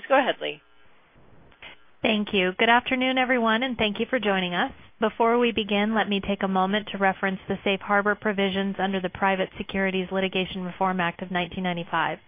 Please go ahead, Lee. Thank you. Good afternoon, everyone, and thank you for joining us. Before we begin, let me take a moment to reference the safe harbor provisions under the Private Securities Litigation Reform Act of 1995.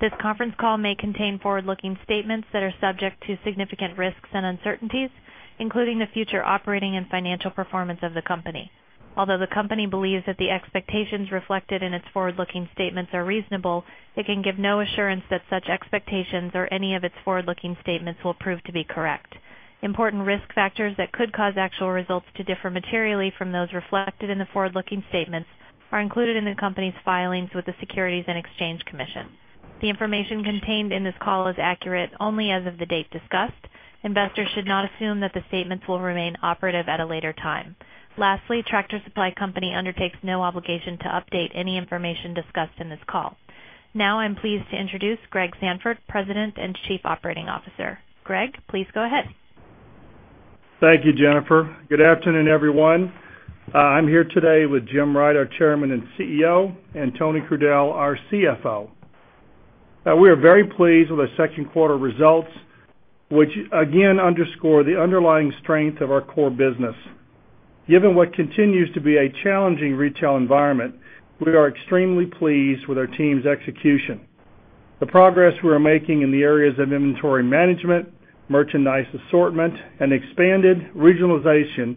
This conference call may contain forward-looking statements that are subject to significant risks and uncertainties, including the future operating and financial performance of the company. Although the company believes that the expectations reflected in its forward-looking statements are reasonable, it can give no assurance that such expectations or any of its forward-looking statements will prove to be correct. Important risk factors that could cause actual results to differ materially from those reflected in the forward-looking statements are included in the company's filings with the Securities and Exchange Commission. The information contained in this call is accurate only as of the date discussed. Investors should not assume that the statements will remain operative at a later time. Lastly, Tractor Supply Company undertakes no obligation to update any information discussed in this call. I'm pleased to introduce Greg Sandfort, President and Chief Operating Officer. Greg, please go ahead. Thank you, Jennifer. Good afternoon, everyone. I'm here today with Jim Wright, our Chairman and CEO, and Tony Crudele, our CFO. We are very pleased with the second quarter results, which again underscore the underlying strength of our core business. Given what continues to be a challenging retail environment, we are extremely pleased with our team's execution. The progress we are making in the areas of inventory management, merchandise assortment, and expanded regionalization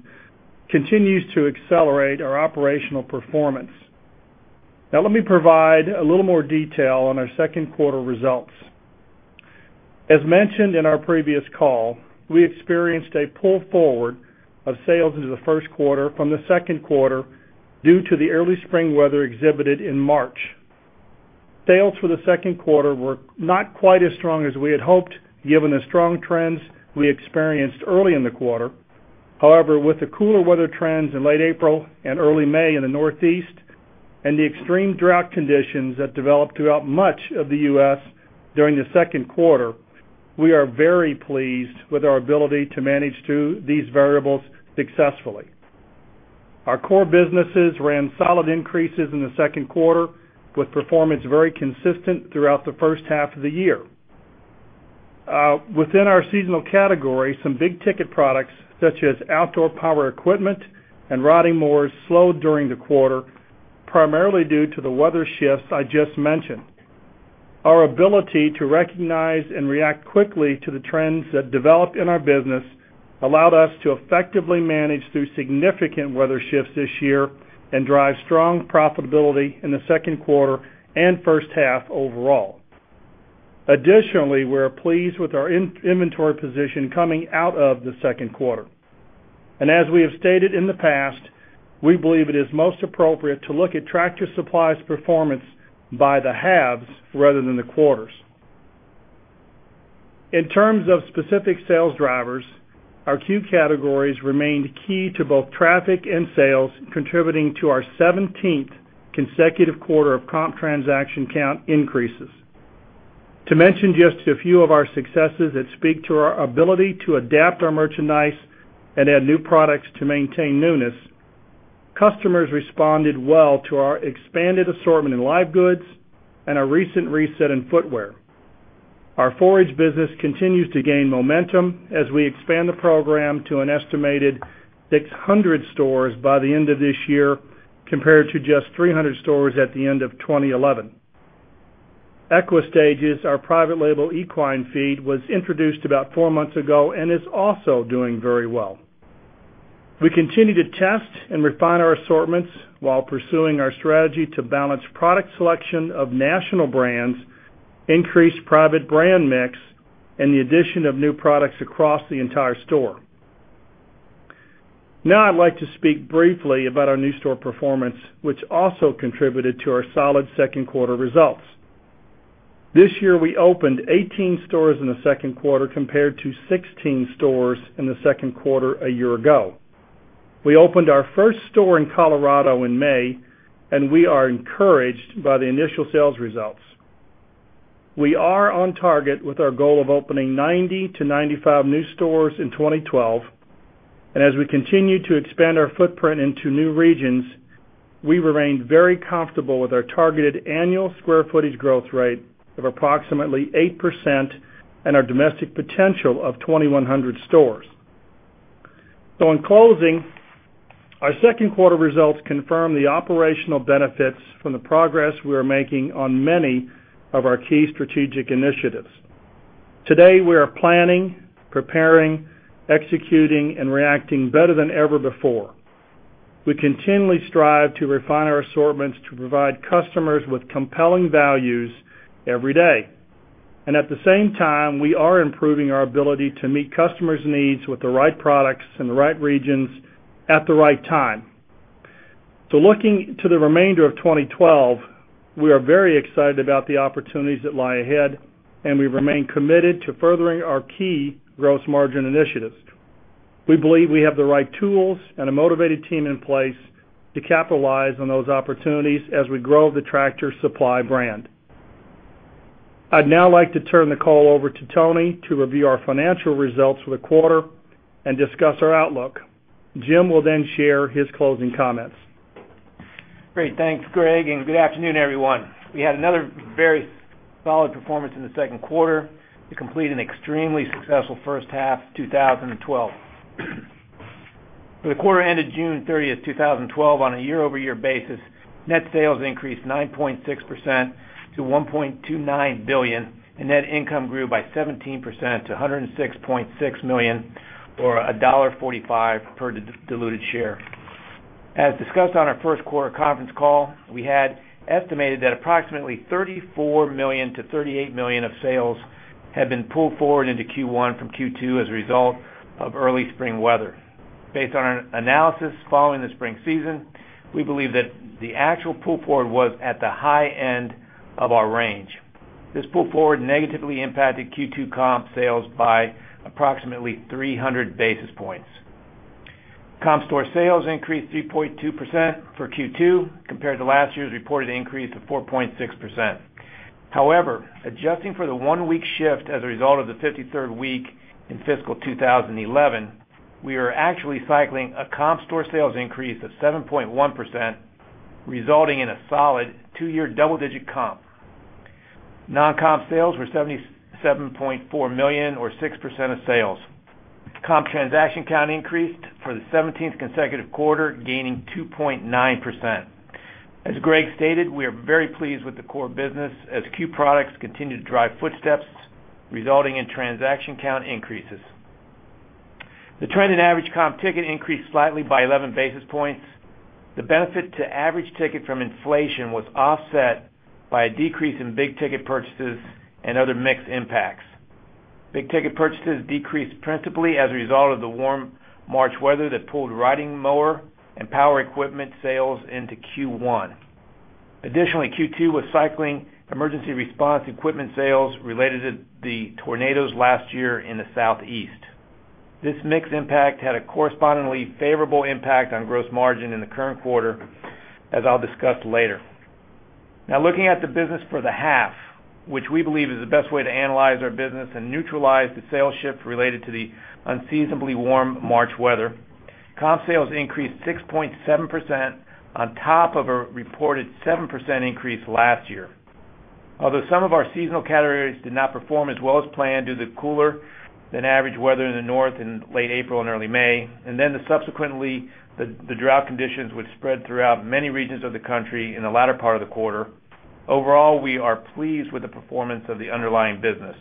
continues to accelerate our operational performance. Let me provide a little more detail on our second quarter results. As mentioned in our previous call, we experienced a pull forward of sales into the first quarter from the second quarter due to the early spring weather exhibited in March. Sales for the second quarter were not quite as strong as we had hoped, given the strong trends we experienced early in the quarter. However, with the cooler weather trends in late April and early May in the Northeast, and the extreme drought conditions that developed throughout much of the U.S. during the second quarter, we are very pleased with our ability to manage through these variables successfully. Our core businesses ran solid increases in the second quarter, with performance very consistent throughout the first half of the year. Within our seasonal category, some big-ticket products, such as outdoor power equipment and riding mowers slowed during the quarter, primarily due to the weather shifts I just mentioned. Our ability to recognize and react quickly to the trends that developed in our business allowed us to effectively manage through significant weather shifts this year and drive strong profitability in the second quarter and first half overall. Additionally, we are pleased with our inventory position coming out of the second quarter. As we have stated in the past, we believe it is most appropriate to look at Tractor Supply's performance by the halves rather than the quarters. In terms of specific sales drivers, our C.U.E. categories remained key to both traffic and sales, contributing to our 17th consecutive quarter of comp transaction count increases. To mention just a few of our successes that speak to our ability to adapt our merchandise and add new products to maintain newness, customers responded well to our expanded assortment in live goods and our recent reset in footwear. Our forage business continues to gain momentum as we expand the program to an estimated 600 stores by the end of this year, compared to just 300 stores at the end of 2011. Equistages, our private label equine feed, was introduced about four months ago and is also doing very well. We continue to test and refine our assortments while pursuing our strategy to balance product selection of national brands, increase private brand mix, and the addition of new products across the entire store. Now, I'd like to speak briefly about our new store performance, which also contributed to our solid second quarter results. This year, we opened 18 stores in the second quarter, compared to 16 stores in the second quarter a year ago. We opened our first store in Colorado in May, and we are encouraged by the initial sales results. We are on target with our goal of opening 90 to 95 new stores in 2012, and as we continue to expand our footprint into new regions, we remain very comfortable with our targeted annual square footage growth rate of approximately 8% and our domestic potential of 2,100 stores. In closing, our second quarter results confirm the operational benefits from the progress we are making on many of our key strategic initiatives. Today, we are planning, preparing, executing, and reacting better than ever before. We continually strive to refine our assortments to provide customers with compelling values every day. At the same time, we are improving our ability to meet customers' needs with the right products in the right regions at the right time. Looking to the remainder of 2012, we are very excited about the opportunities that lie ahead, and we remain committed to furthering our key gross margin initiatives. We believe we have the right tools and a motivated team in place to capitalize on those opportunities as we grow the Tractor Supply brand. I'd now like to turn the call over to Tony to review our financial results for the quarter and discuss our outlook. Jim will share his closing comments. Great. Thanks, Greg, good afternoon, everyone. We had another very solid performance in the second quarter to complete an extremely successful first half 2012. For the quarter ended June 30th, 2012, on a year-over-year basis, net sales increased 9.6% to $1.29 billion. Net income grew by 17% to $106.6 million, or $1.45 per diluted share. As discussed on our first-quarter conference call, we had estimated that approximately $34 million-$38 million of sales had been pulled forward into Q1 from Q2 as a result of early spring weather. Based on our analysis following the spring season, we believe that the actual pull forward was at the high end of our range. This pull forward negatively impacted Q2 comp sales by approximately 300 basis points. Comp store sales increased 3.2% for Q2 compared to last year's reported increase of 4.6%. Adjusting for the one-week shift as a result of the 53rd week in fiscal 2011, we are actually cycling a comp store sales increase of 7.1%, resulting in a solid two-year double-digit comp. Non-comp sales were $77.4 million or 6% of sales. Comp transaction count increased for the 17th consecutive quarter, gaining 2.9%. As Greg stated, we are very pleased with the core business as CUE products continue to drive footsteps, resulting in transaction count increases. The trend in average comp ticket increased slightly by 11 basis points. The benefit to average ticket from inflation was offset by a decrease in big-ticket purchases and other mixed impacts. Big-ticket purchases decreased principally as a result of the warm March weather that pulled riding mower and power equipment sales into Q1. Additionally, Q2 was cycling emergency response equipment sales related to the tornadoes last year in the Southeast. This mixed impact had a correspondingly favorable impact on gross margin in the current quarter, as I'll discuss later. Looking at the business for the half, which we believe is the best way to analyze our business and neutralize the sales shift related to the unseasonably warm March weather, comp sales increased 6.7% on top of a reported 7% increase last year. Although some of our seasonal categories did not perform as well as planned due to the cooler-than-average weather in the North in late April and early May, subsequently, the drought conditions which spread throughout many regions of the country in the latter part of the quarter, overall, we are pleased with the performance of the underlying business.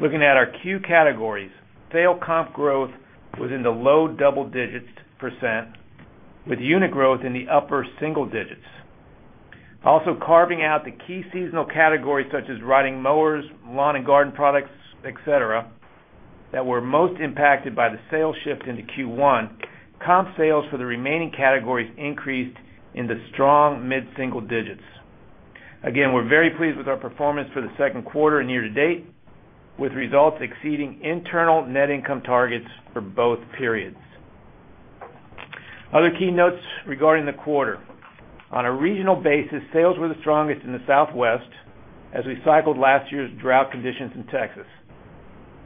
Looking at our CUE categories, sale comp growth was in the low double digits percent, with unit growth in the upper single digits. Carving out the key seasonal categories such as riding mowers, lawn and garden products, et cetera, that were most impacted by the sales shift into Q1, comp sales for the remaining categories increased in the strong mid-single digits. We're very pleased with our performance for the second quarter and year-to-date, with results exceeding internal net income targets for both periods. Other key notes regarding the quarter. On a regional basis, sales were the strongest in the Southwest as we cycled last year's drought conditions in Texas.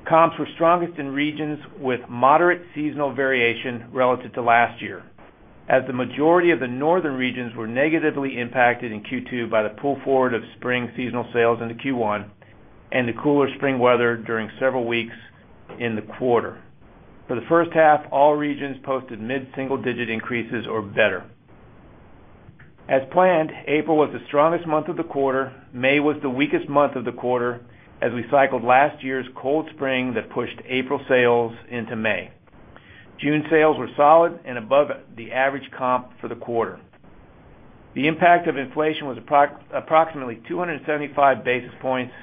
Comps were strongest in regions with moderate seasonal variation relative to last year, as the majority of the northern regions were negatively impacted in Q2 by the pull forward of spring seasonal sales into Q1 and the cooler spring weather during several weeks in the quarter. For the first half, all regions posted mid-single-digit increases or better. April was the strongest month of the quarter. May was the weakest month of the quarter, as we cycled last year's cold spring that pushed April sales into May. June sales were solid and above the average comp for the quarter. The impact of inflation was approximately 275 basis points,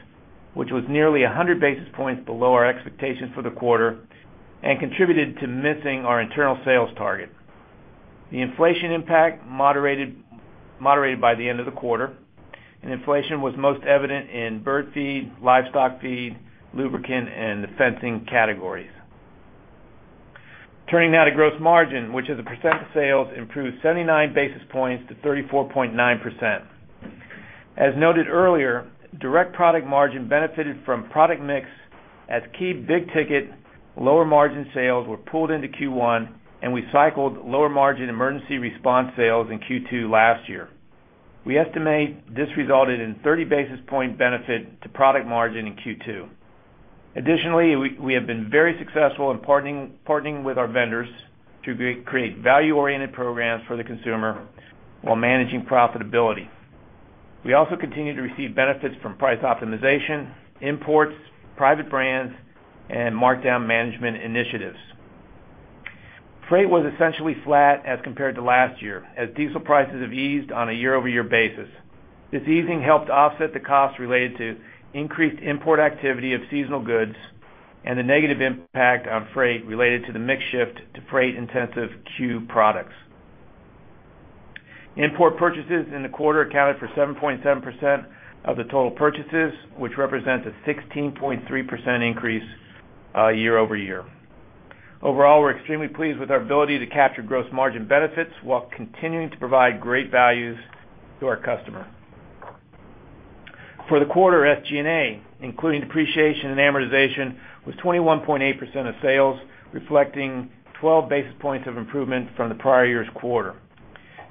which was nearly 100 basis points below our expectations for the quarter and contributed to missing our internal sales target. The inflation impact moderated by the end of the quarter, and inflation was most evident in bird feed, livestock feed, lubricant, and the fencing categories. Turning now to gross margin, which as a percent of sales improved 79 basis points to 34.9%. As noted earlier, direct product margin benefited from product mix as key big-ticket, lower-margin sales were pulled into Q1, and we cycled lower-margin emergency response sales in Q2 last year. We estimate this resulted in a 30-basis-point benefit to product margin in Q2. Additionally, we have been very successful in partnering with our vendors to create value-oriented programs for the consumer while managing profitability. We also continue to receive benefits from price optimization, imports, private brands, and markdown management initiatives. Freight was essentially flat as compared to last year, as diesel prices have eased on a year-over-year basis. This easing helped offset the cost related to increased import activity of seasonal goods and the negative impact on freight related to the mix shift to freight-intensive C.U.E. products. Import purchases in the quarter accounted for 7.7% of the total purchases, which represents a 16.3% increase year-over-year. We're extremely pleased with our ability to capture gross margin benefits while continuing to provide great values to our customer. SG&A, including depreciation and amortization, was 21.8% of sales, reflecting 12 basis points of improvement from the prior year's quarter.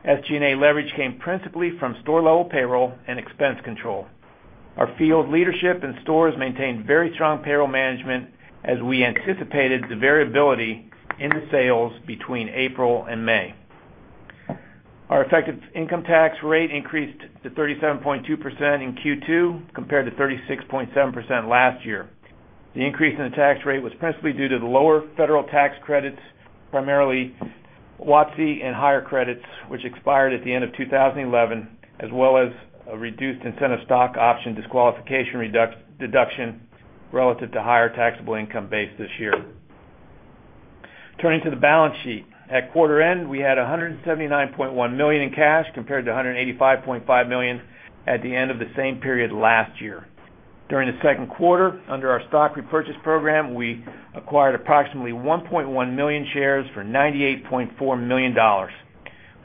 SG&A leverage came principally from store-level payroll and expense control. Our field leadership and stores maintained very strong payroll management as we anticipated the variability in the sales between April and May. Our effective income tax rate increased to 37.2% in Q2 compared to 36.7% last year. The increase in the tax rate was principally due to the lower federal tax credits, primarily WOTC and HIRE credits, which expired at the end of 2011, as well as a reduced incentive stock option disqualification deduction relative to higher taxable income base this year. Turning to the balance sheet. At quarter end, we had $179.1 million in cash, compared to $185.5 million at the end of the same period last year. During the second quarter, under our stock repurchase program, we acquired approximately 1.1 million shares for $98.4 million.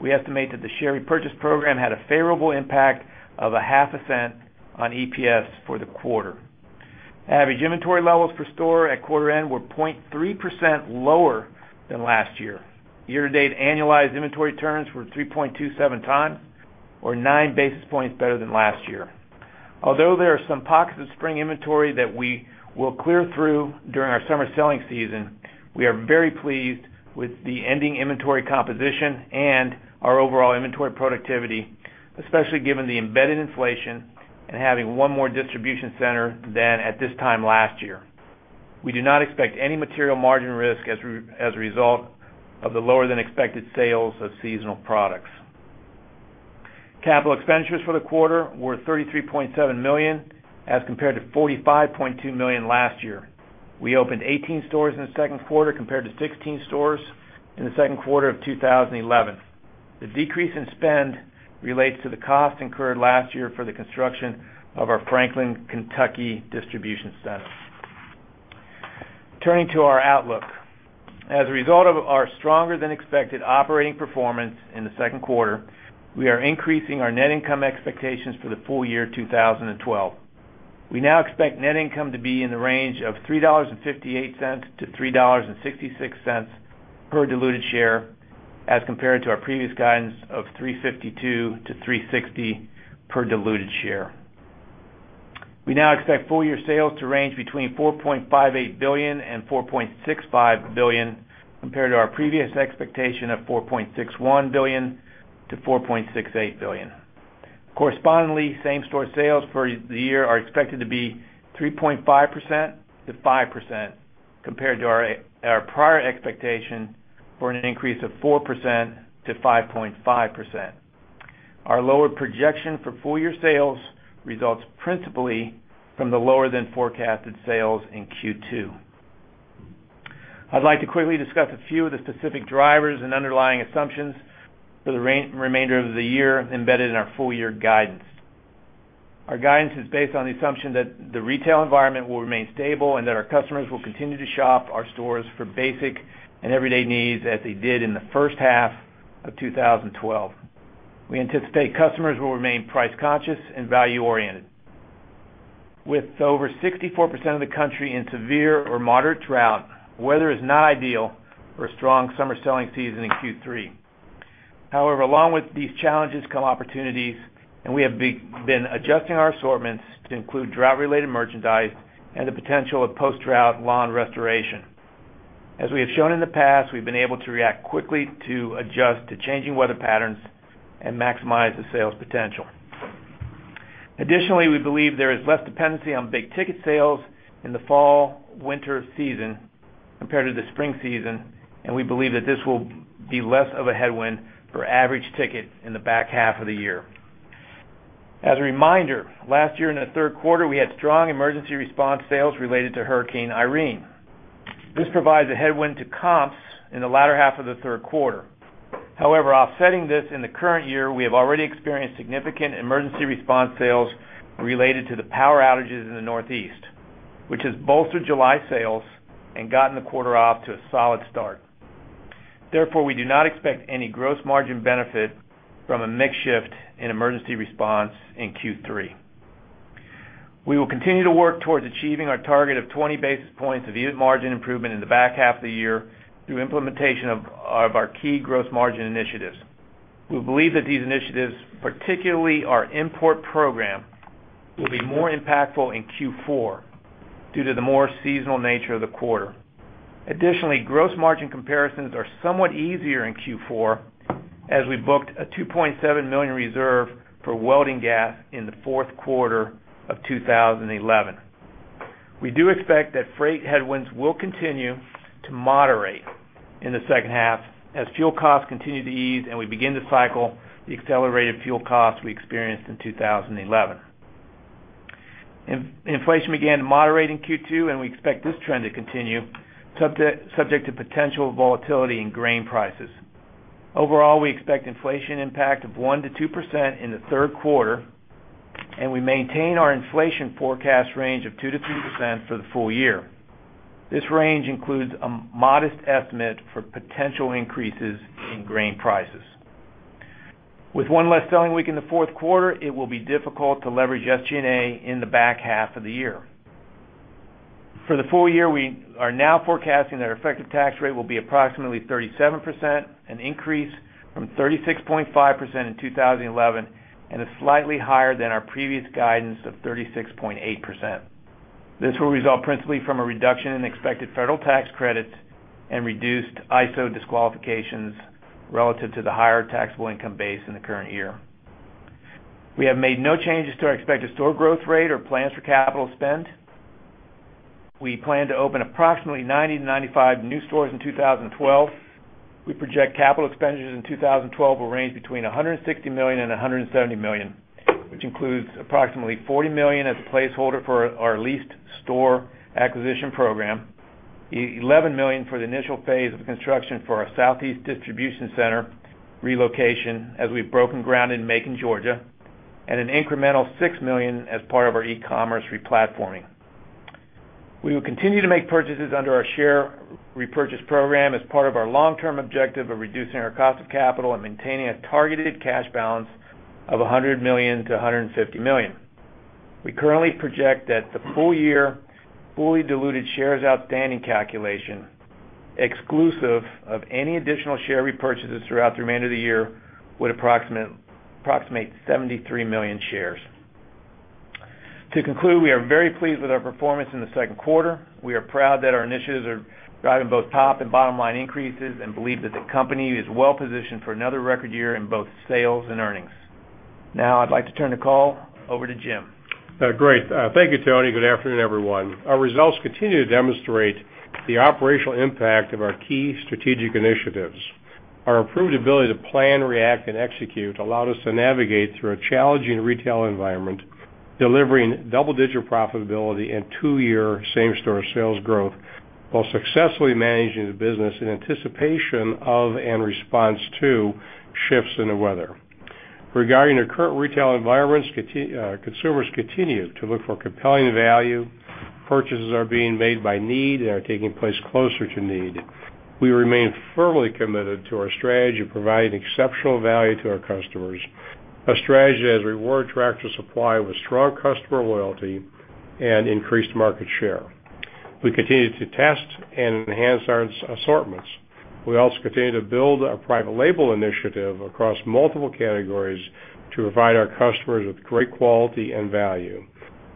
We estimate that the share repurchase program had a favorable impact of a half a cent on EPS for the quarter. Average inventory levels per store at quarter end were 0.3% lower than last year. Year-to-date annualized inventory turns were 3.27 times, or nine basis points better than last year. Although there are some pockets of spring inventory that we will clear through during our summer selling season, we are very pleased with the ending inventory composition and our overall inventory productivity, especially given the embedded inflation and having one more distribution center than at this time last year. We do not expect any material margin risk as a result of the lower-than-expected sales of seasonal products. Capital expenditures for the quarter were $33.7 million, as compared to $45.2 million last year. We opened 18 stores in the second quarter compared to 16 stores in the second quarter of 2011. The decrease in spend relates to the cost incurred last year for the construction of our Franklin, Kentucky distribution center. Turning to our outlook. As a result of our stronger-than-expected operating performance in the second quarter, we are increasing our net income expectations for the full year 2012. We now expect net income to be in the range of $3.58-$3.66 per diluted share, as compared to our previous guidance of $3.52-$3.60 per diluted share. We now expect full year sales to range between $4.58 billion and $4.65 billion, compared to our previous expectation of $4.61 billion-$4.68 billion. Correspondingly, same-store sales for the year are expected to be 3.5%-5%, compared to our prior expectation for an increase of 4%-5.5%. Our lower projection for full-year sales results principally from the lower-than-forecasted sales in Q2. I'd like to quickly discuss a few of the specific drivers and underlying assumptions for the remainder of the year embedded in our full-year guidance. Our guidance is based on the assumption that the retail environment will remain stable and that our customers will continue to shop our stores for basic and everyday needs as they did in the first half of 2012. We anticipate customers will remain price-conscious and value-oriented. With over 64% of the country in severe or moderate drought, weather is not ideal for a strong summer selling season in Q3. However, along with these challenges come opportunities, and we have been adjusting our assortments to include drought-related merchandise and the potential of post-drought lawn restoration. As we have shown in the past, we've been able to react quickly to adjust to changing weather patterns and maximize the sales potential. Additionally, we believe there is less dependency on big-ticket sales in the fall/winter season compared to the spring season, and we believe that this will be less of a headwind for average ticket in the back half of the year. As a reminder, last year in the third quarter, we had strong emergency response sales related to Hurricane Irene. This provides a headwind to comps in the latter half of the third quarter. However, offsetting this in the current year, we have already experienced significant emergency response sales related to the power outages in the Northeast, which has bolstered July sales and gotten the quarter off to a solid start. We do not expect any gross margin benefit from a mix shift in emergency response in Q3. We will continue to work towards achieving our target of 20 basis points of unit margin improvement in the back half of the year through implementation of our key gross margin initiatives. We believe that these initiatives, particularly our import program, will be more impactful in Q4 due to the more seasonal nature of the quarter. Additionally, gross margin comparisons are somewhat easier in Q4 as we booked a $2.7 million reserve for welding gas in the fourth quarter of 2011. We do expect that freight headwinds will continue to moderate in the second half as fuel costs continue to ease and we begin to cycle the accelerated fuel costs we experienced in 2011. Inflation began to moderate in Q2. We expect this trend to continue, subject to potential volatility in grain prices. Overall, we expect inflation impact of 1%-2% in the third quarter, and we maintain our inflation forecast range of 2%-3% for the full year. This range includes a modest estimate for potential increases in grain prices. With one less selling week in the fourth quarter, it will be difficult to leverage SG&A in the back half of the year. For the full year, we are now forecasting that our effective tax rate will be approximately 37%, an increase from 36.5% in 2011, and is slightly higher than our previous guidance of 36.8%. This will result principally from a reduction in expected federal tax credits and reduced ISO disqualifications relative to the higher taxable income base in the current year. We have made no changes to our expected store growth rate or plans for capital spend. We plan to open approximately 90 to 95 new stores in 2012. We project capital expenditures in 2012 will range between $160 million-$170 million, which includes approximately $40 million as a placeholder for our leased store acquisition program, $11 million for the initial phase of construction for our southeast distribution center relocation, as we've broken ground in Macon, Georgia, and an incremental $6 million as part of our e-commerce re-platforming. We will continue to make purchases under our share repurchase program as part of our long-term objective of reducing our cost of capital and maintaining a targeted cash balance of $100 million-$150 million. We currently project that the full year, fully diluted shares outstanding calculation, exclusive of any additional share repurchases throughout the remainder of the year, would approximate 73 million shares. We are very pleased with our performance in the second quarter. We are proud that our initiatives are driving both top and bottom-line increases. We believe that the company is well-positioned for another record year in both sales and earnings. Now I'd like to turn the call over to Jim. Great. Thank you, Tony. Good afternoon, everyone. Our results continue to demonstrate the operational impact of our key strategic initiatives. Our improved ability to plan, react, and execute allowed us to navigate through a challenging retail environment, delivering double-digit profitability and two-year same-store sales growth while successfully managing the business in anticipation of and response to shifts in the weather. Regarding the current retail environments, consumers continue to look for compelling value. Purchases are being made by need and are taking place closer to need. We remain firmly committed to our strategy of providing exceptional value to our customers, a strategy that has rewarded Tractor Supply with strong customer loyalty and increased market share. We continue to test and enhance our assortments. We also continue to build our private label initiative across multiple categories to provide our customers with great quality and value.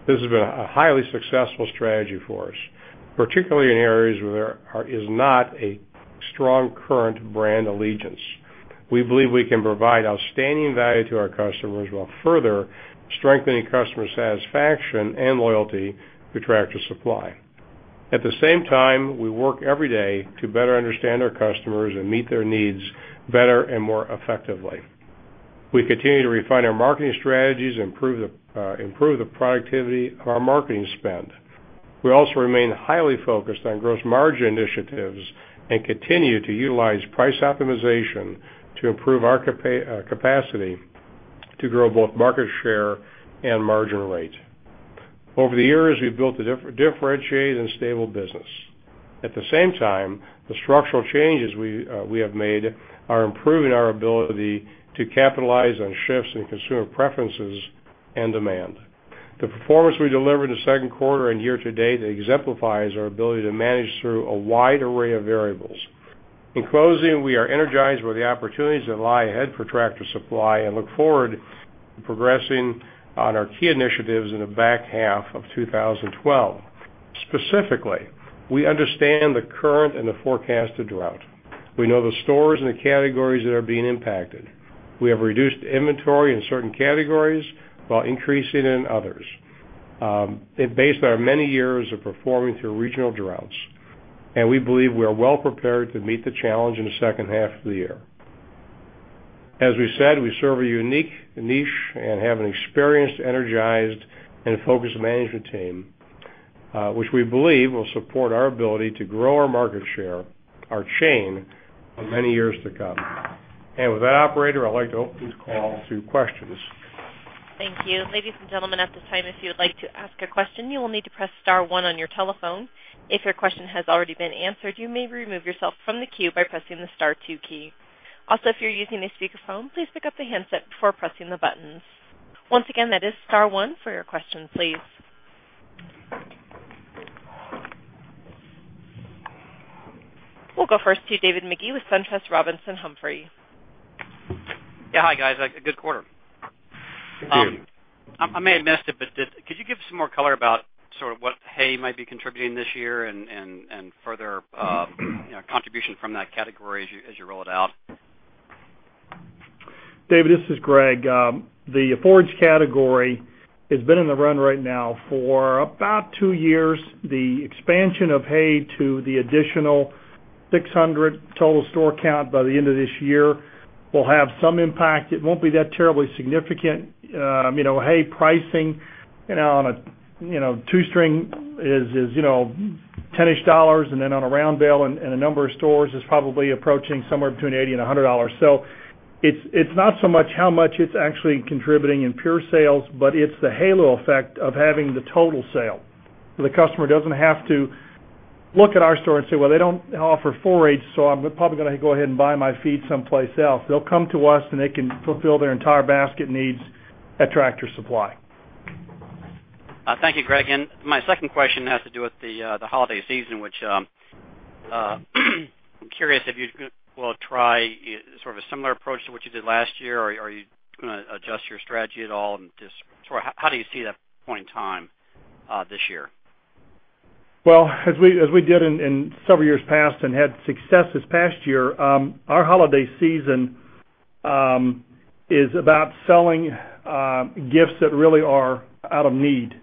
This has been a highly successful strategy for us, particularly in areas where there is not a strong current brand allegiance. We believe we can provide outstanding value to our customers while further strengthening customer satisfaction and loyalty through Tractor Supply. At the same time, we work every day to better understand our customers and meet their needs better and more effectively. We continue to refine our marketing strategies, improve the productivity of our marketing spend. We also remain highly focused on gross margin initiatives and continue to utilize price optimization to improve our capacity to grow both market share and margin rate. Over the years, we've built a differentiated and stable business. At the same time, the structural changes we have made are improving our ability to capitalize on shifts in consumer preferences and demand. The performance we delivered in the second quarter and year-to-date exemplifies our ability to manage through a wide array of variables. In closing, we are energized with the opportunities that lie ahead for Tractor Supply and look forward to progressing on our key initiatives in the back half of 2012. Specifically, we understand the current and the forecasted drought. We know the stores and the categories that are being impacted. We have reduced inventory in certain categories while increasing in others, based on our many years of performing through regional droughts. We believe we are well prepared to meet the challenge in the second half of the year. As we said, we serve a unique niche and have an experienced, energized, and focused management team, which we believe will support our ability to grow our market share, our chain, for many years to come. With that, operator, I'd like to open the call to questions. Thank you. Ladies and gentlemen, at this time, if you would like to ask a question, you will need to press *1 on your telephone. If your question has already been answered, you may remove yourself from the queue by pressing the *2 key. Also, if you're using a speakerphone, please pick up the handset before pressing the buttons. Once again, that is *1 for your question, please. We'll go first to David Magee with SunTrust Robinson Humphrey. Yeah. Hi, guys. Good quarter. Thank you. I may have missed it, but could you give some more color about what hay might be contributing this year and further contribution from that category as you roll it out? David, this is Greg. The forage category has been in the run right now for about 2 years. The expansion of hay to the additional 600 total store count by the end of this year will have some impact. It won't be that terribly significant. Hay pricing on a 2-string is $10-ish, and then on a round bale in a number of stores is probably approaching somewhere between $80 and $100. It's not so much how much it's actually contributing in pure sales, but it's the halo effect of having the total sale. The customer doesn't have to look at our store and say, "Well, they don't offer forage, so I'm probably going to go ahead and buy my feed someplace else." They'll come to us, and they can fulfill their entire basket needs at Tractor Supply. Thank you, Greg. My second question has to do with the holiday season, which I'm curious if you will try sort of a similar approach to what you did last year, or are you going to adjust your strategy at all and just sort of, how do you see that point in time this year? Well, as we did in several years past and had success this past year, our holiday season is about selling gifts that really are out of need.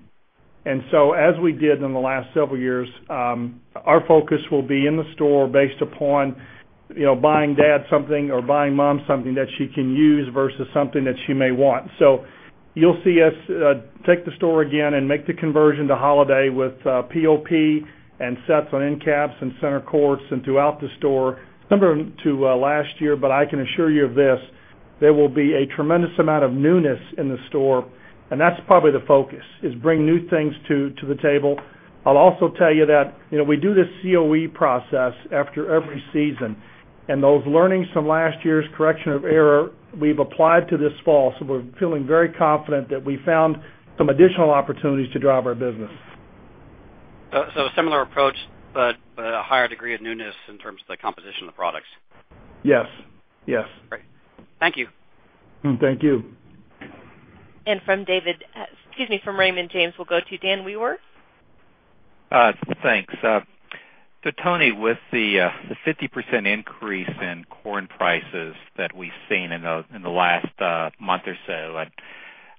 As we did in the last several years, our focus will be in the store based upon buying dad something or buying mom something that she can use versus something that she may want. You'll see us take the store again and make the conversion to holiday with POP and sets on end caps and center courts and throughout the store, similar to last year. I can assure you of this, there will be a tremendous amount of newness in the store, and that's probably the focus, is bring new things to the table. I'll also tell you that we do this Correction-of-Error process after every season, those learnings from last year's Correction-of-Error, we've applied to this fall, we're feeling very confident that we found some additional opportunities to drive our business. A similar approach, a higher degree of newness in terms of the composition of the products. Yes. Great. Thank you. Thank you. from Raymond James, we'll go to Dan Wewer. Thanks. Tony, with the 50% increase in corn prices that we've seen in the last month or so, I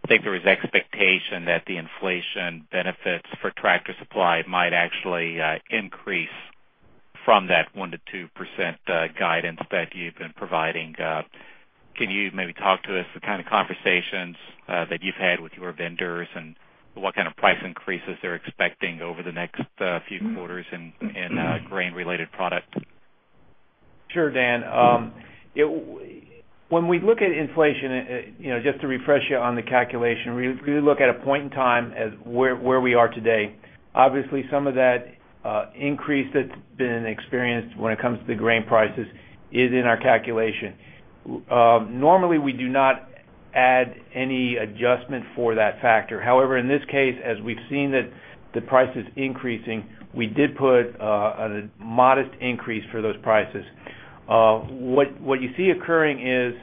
think there is expectation that the inflation benefits for Tractor Supply might actually increase from that 1%-2% guidance that you've been providing. Can you maybe talk to us the kind of conversations that you've had with your vendors and what kind of price increases they're expecting over the next few quarters in grain-related product? Sure, Dan. When we look at inflation, just to refresh you on the calculation, we look at a point in time as where we are today. Obviously, some of that increase that's been experienced when it comes to the grain prices is in our calculation. Normally, we do not add any adjustment for that factor. However, in this case, as we've seen that the price is increasing, we did put a modest increase for those prices. What you see occurring is,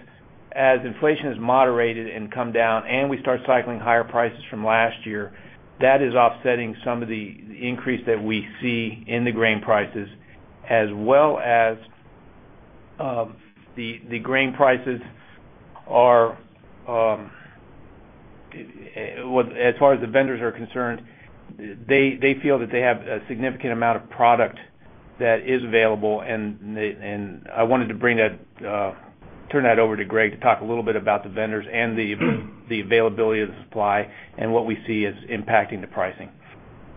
as inflation has moderated and come down and we start cycling higher prices from last year, that is offsetting some of the increase that we see in the grain prices, as far as the vendors are concerned, they feel that they have a significant amount of product that is available, and I wanted to turn that over to Greg to talk a little bit about the vendors and the availability of the supply and what we see as impacting the pricing.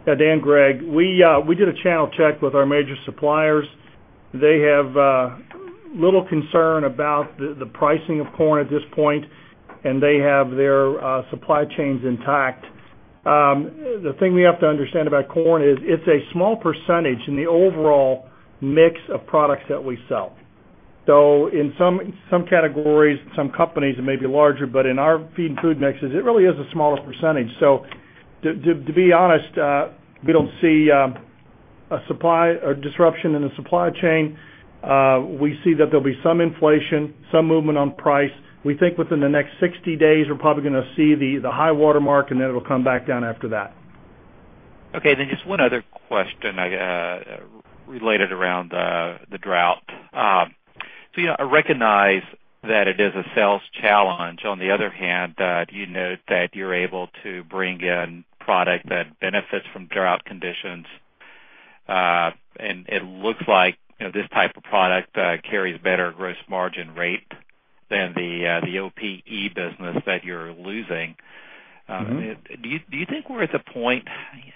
Yeah. Dan, Greg, we did a channel check with our major suppliers. They have little concern about the pricing of corn at this point, and they have their supply chains intact. The thing we have to understand about corn is it's a small percentage in the overall mix of products that we sell. In some categories, some companies may be larger, but in our feed and food mixes, it really is a smaller percentage. To be honest, we don't see a disruption in the supply chain. We see that there'll be some inflation, some movement on price. We think within the next 60 days, we're probably going to see the high water mark, and then it'll come back down after that. Okay, just one other question related around the drought. I recognize that it is a sales challenge. On the other hand, you note that you're able to bring in product that benefits from drought conditions. It looks like this type of product carries a better gross margin rate than the OPE business that you're losing. Do you think we're at the point,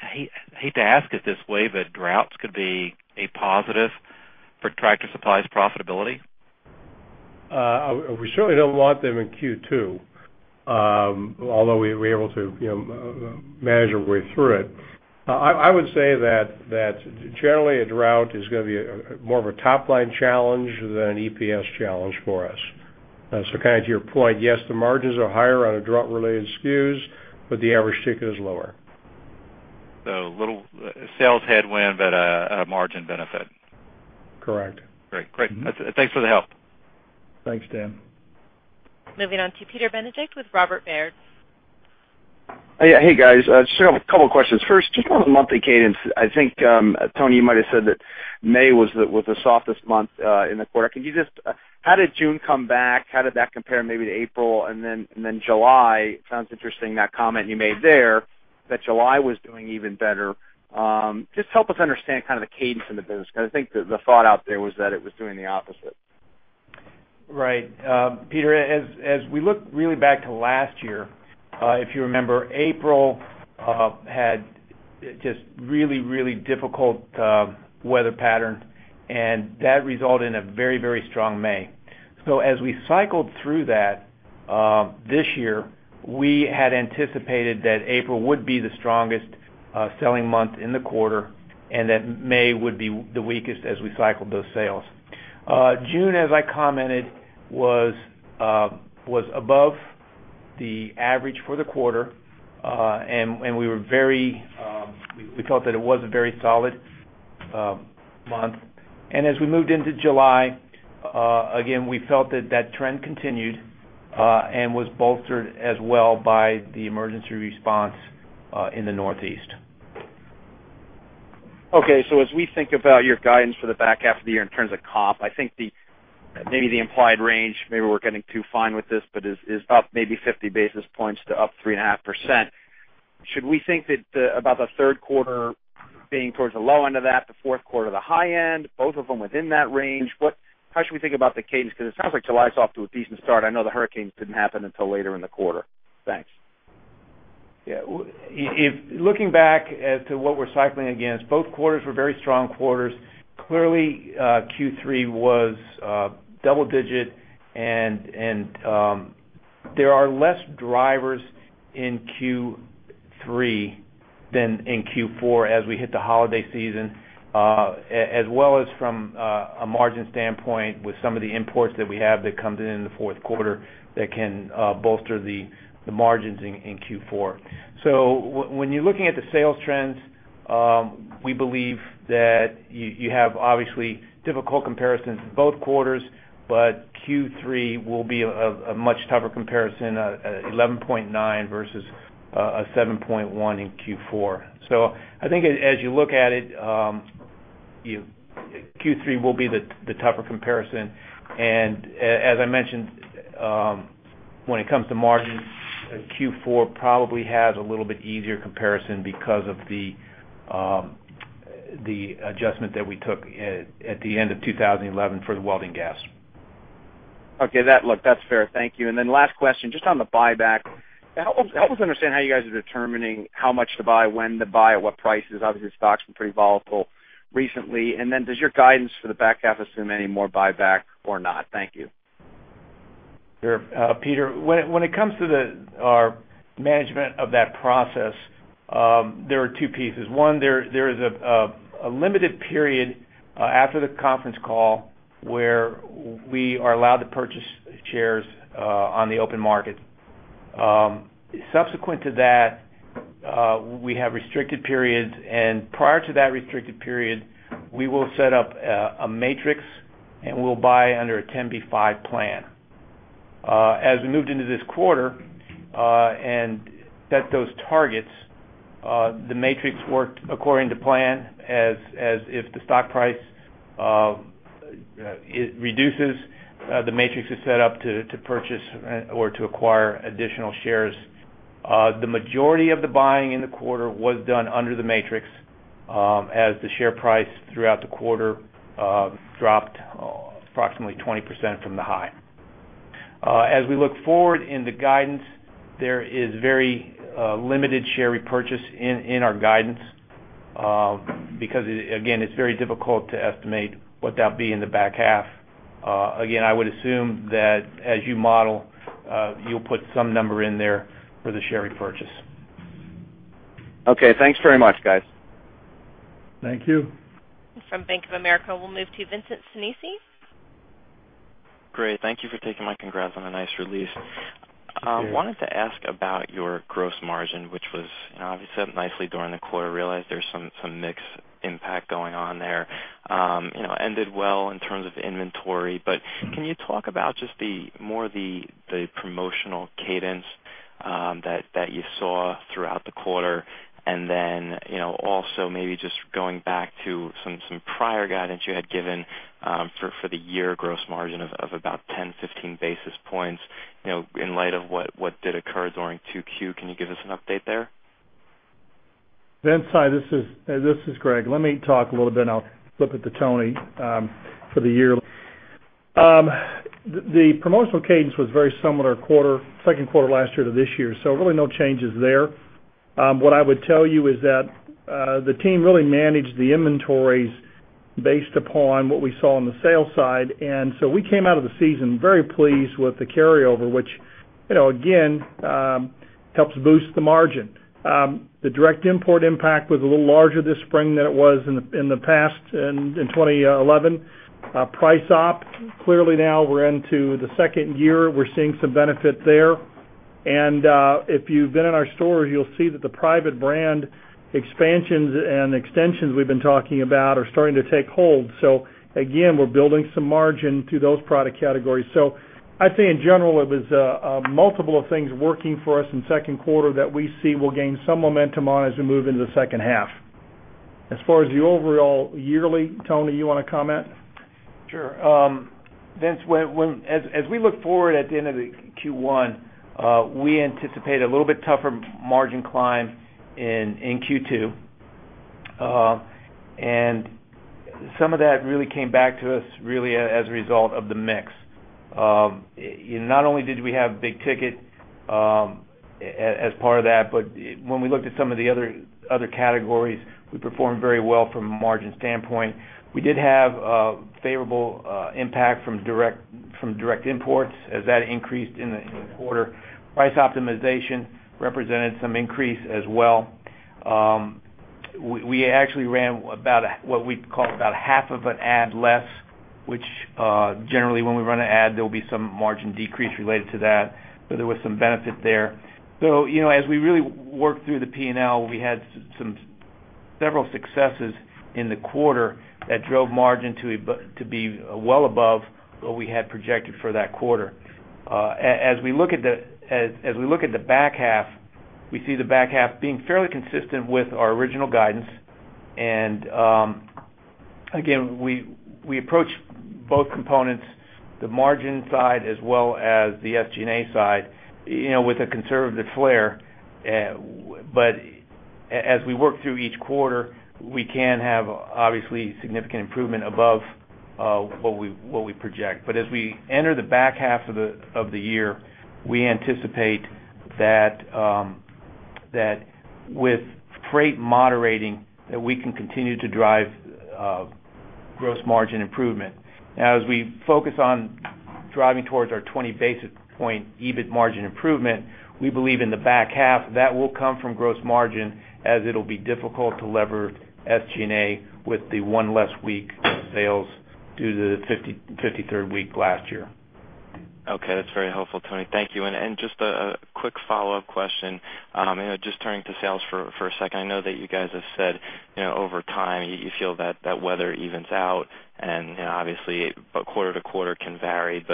I hate to ask it this way, that droughts could be a positive for Tractor Supply's profitability? We surely don't want them in Q2, although we're able to manage our way through it. I would say that generally a drought is going to be more of a top-line challenge than an EPS challenge for us. To your point, yes, the margins are higher on drought-related SKUs, but the average ticket is lower. A little sales headwind, but a margin benefit. Correct. Great. Thanks for the help. Thanks, Dan. Moving on to Peter Benedict with Robert W. Baird. Hey, guys. Just a couple of questions. First, just on the monthly cadence, I think, Tony, you might've said that May was the softest month in the quarter. How did June come back? How did that compare maybe to April? July, sounds interesting, that comment you made there, that July was doing even better. Just help us understand kind of the cadence in the business, because I think the thought out there was that it was doing the opposite. Right. Peter, as we look really back to last year, if you remember, April had a really difficult weather pattern, and that resulted in a very strong May. As we cycled through that this year, we had anticipated that April would be the strongest selling month in the quarter, and that May would be the weakest as we cycled those sales. June, as I commented, was above the average for the quarter, and we felt that it was a very solid month. As we moved into July, again, we felt that that trend continued and was bolstered as well by the emergency response in the Northeast. Okay. As we think about your guidance for the back half of the year in terms of comp, I think maybe the implied range, maybe we're getting too fine with this, but is up maybe 50 basis points to up 3.5%. Should we think that about the third quarter being towards the low end of that, the fourth quarter, the high end, both of them within that range? How should we think about the cadence? It sounds like July's off to a decent start. I know the hurricanes didn't happen until later in the quarter. Thanks. Looking back to what we're cycling against, both quarters were very strong quarters. Clearly, Q3 was double-digit, There are less drivers in Q3 than in Q4 as we hit the holiday season, as well as from a margin standpoint with some of the imports that we have that comes in the fourth quarter that can bolster the margins in Q4. When you're looking at the sales trends, we believe that you have obviously difficult comparisons in both quarters, but Q3 will be a much tougher comparison, 11.9 versus a 7.1 in Q4. I think as you look at it, Q3 will be the tougher comparison. As I mentioned, when it comes to margins, Q4 probably has a little bit easier comparison because of the adjustment that we took at the end of 2011 for the welding gas. Okay. Look, that's fair. Thank you. Last question, just on the buyback. Help us understand how you guys are determining how much to buy, when to buy, at what prices. Obviously, the stock's been pretty volatile recently. Does your guidance for the back half assume any more buyback or not? Thank you. Sure. Peter, when it comes to our management of that process, there are two pieces. One, there is a limited period after the conference call where we are allowed to purchase shares on the open market. Subsequent to that, we have restricted periods, and prior to that restricted period, we will set up a matrix and we'll buy under a 10b5-1 plan. We moved into this quarter and set those targets, the matrix worked according to plan. If the stock price reduces, the matrix is set up to purchase or to acquire additional shares. The majority of the buying in the quarter was done under the matrix as the share price throughout the quarter dropped approximately 20% from the high. We look forward in the guidance, there is very limited share repurchase in our guidance because, again, it's very difficult to estimate what that'd be in the back half. I would assume that as you model, you'll put some number in there for the share repurchase. Okay, thanks very much, guys. Thank you. From Bank of America, we'll move to Vincent Sinisi. Great. Thank you for taking mine. Congrats on a nice release. Thanks. Wanted to ask about your gross margin, which was obviously up nicely during the quarter. I realize there's some mix impact going on there. Ended well in terms of inventory. Can you talk about just more the promotional cadence that you saw throughout the quarter? Also maybe just going back to some prior guidance you had given for the year gross margin of about 10, 15 basis points. In light of what did occur during 2Q, can you give us an update there? Vince, hi. This is Greg. Let me talk a little bit, and I'll flip it to Tony for the year. The promotional cadence was very similar second quarter last year to this year. Really no changes there. What I would tell you is that the team really managed the inventories based upon what we saw on the sales side. We came out of the season very pleased with the carryover, which again, helps boost the margin. The direct import impact was a little larger this spring than it was in the past in 2011. Price op, clearly now we're into the second year. We're seeing some benefit there. If you've been in our stores, you'll see that the private brand expansions and extensions we've been talking about are starting to take hold. Again, we're building some margin through those product categories. I'd say in general, it was a multiple of things working for us in second quarter that we see will gain some momentum on as we move into the second half. As far as the overall yearly, Tony, you want to comment? Sure. Vince, as we look forward at the end of the Q1, we anticipate a little bit tougher margin climb in Q2. Some of that really came back to us really as a result of the mix. Not only did we have big ticket as part of that, but when we looked at some of the other categories, we performed very well from a margin standpoint. We did have a favorable impact from direct imports as that increased in the quarter. Price optimization represented some increase as well. We actually ran about what we'd call about half of an ad less, which, generally when we run an ad, there'll be some margin decrease related to that, but there was some benefit there. As we really worked through the P&L, we had several successes in the quarter that drove margin to be well above what we had projected for that quarter. As we look at the back half, we see the back half being fairly consistent with our original guidance. Again, we approach both components, the margin side as well as the SG&A side, with a conservative flair. As we work through each quarter, we can have obviously significant improvement above what we project. As we enter the back half of the year, we anticipate that with freight moderating, that we can continue to drive gross margin improvement. As we focus on driving towards our 20 basis point EBIT margin improvement, we believe in the back half, that will come from gross margin as it will be difficult to lever SG&A with the one less week of sales due to the 53rd week last year. Okay. That's very helpful, Tony. Thank you. Just a quick follow-up question. Just turning to sales for a second. I know that you guys have said over time, you feel that that weather evens out and obviously quarter-to-quarter can vary.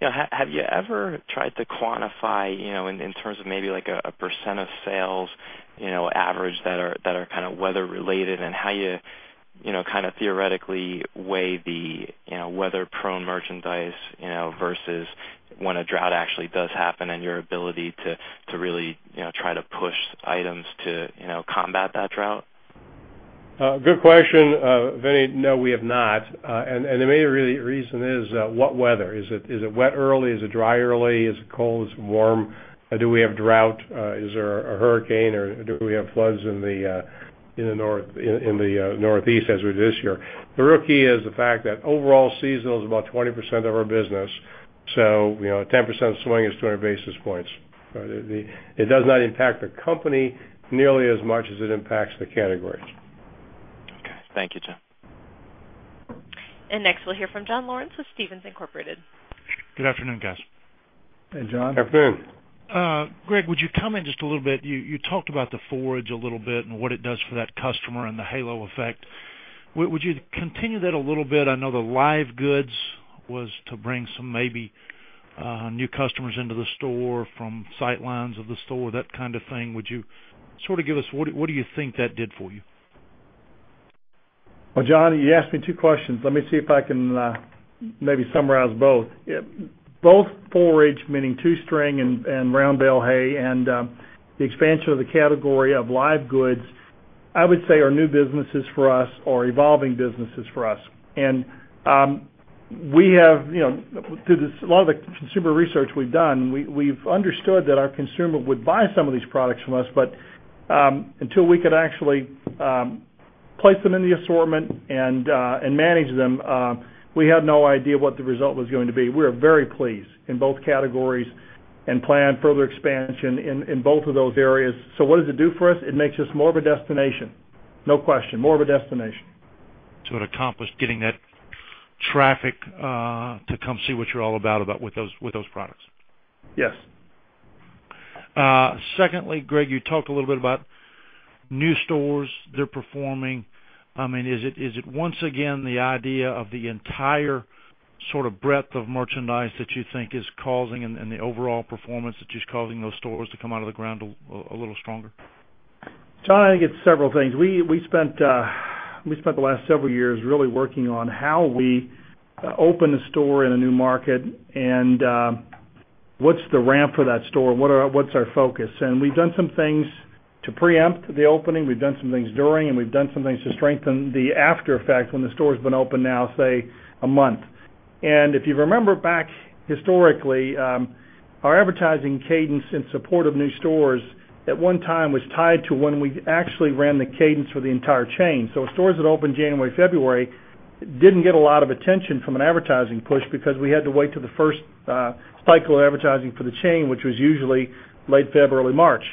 Have you ever tried to quantify, in terms of maybe a % of sales average that are weather related and how you theoretically weigh the weather-prone merchandise versus when a drought actually does happen and your ability to really try to push items to combat that drought? Good question, Vinny. No, we have not. The main reason is what weather? Is it wet early? Is it dry early? Is it cold? Is it warm? Do we have drought? Is there a hurricane, or do we have floods in the Northeast as we did this year? The crux is the fact that overall seasonal is about 20% of our business, so 10% swing is 200 basis points. It does not impact the company nearly as much as it impacts the category. Okay. Thank you, John. Next, we'll hear from John Lawrence with Stephens Inc.. Good afternoon, guys. Hey, John. Afternoon. Greg, would you comment just a little bit? You talked about the forage a little bit and what it does for that customer and the halo effect. Would you continue that a little bit? I know the live goods was to bring some maybe new customers into the store from sightlines of the store, that kind of thing. What do you think that did for you? Well, John, you asked me two questions. Let me see if I can maybe summarize both. Both forage, meaning two-string and round bale hay, and the expansion of the category of live goods, I would say are new businesses for us or evolving businesses for us. Through a lot of the consumer research we've done, we've understood that our consumer would buy some of these products from us, but until we could actually place them in the assortment and manage them, we had no idea what the result was going to be. We are very pleased in both categories and plan further expansion in both of those areas. What does it do for us? It makes us more of a destination. No question. More of a destination. It accomplished getting that traffic to come see what you're all about with those products. Yes. Secondly, Greg, you talked a little bit about new stores. They're performing. Is it once again the idea of the entire sort of breadth of merchandise that you think is causing, and the overall performance that is causing those stores to come out of the ground a little stronger? John, I think it's several things. We spent the last several years really working on how we open a store in a new market and what's the ramp for that store? What's our focus? We've done some things to preempt the opening. We've done some things during, and we've done some things to strengthen the after effect when the store's been open now, say, a month. If you remember back historically, our advertising cadence in support of new stores at one time was tied to when we actually ran the cadence for the entire chain. Stores that opened January, February didn't get a lot of attention from an advertising push because we had to wait till the first cycle of advertising for the chain, which was usually late February, March.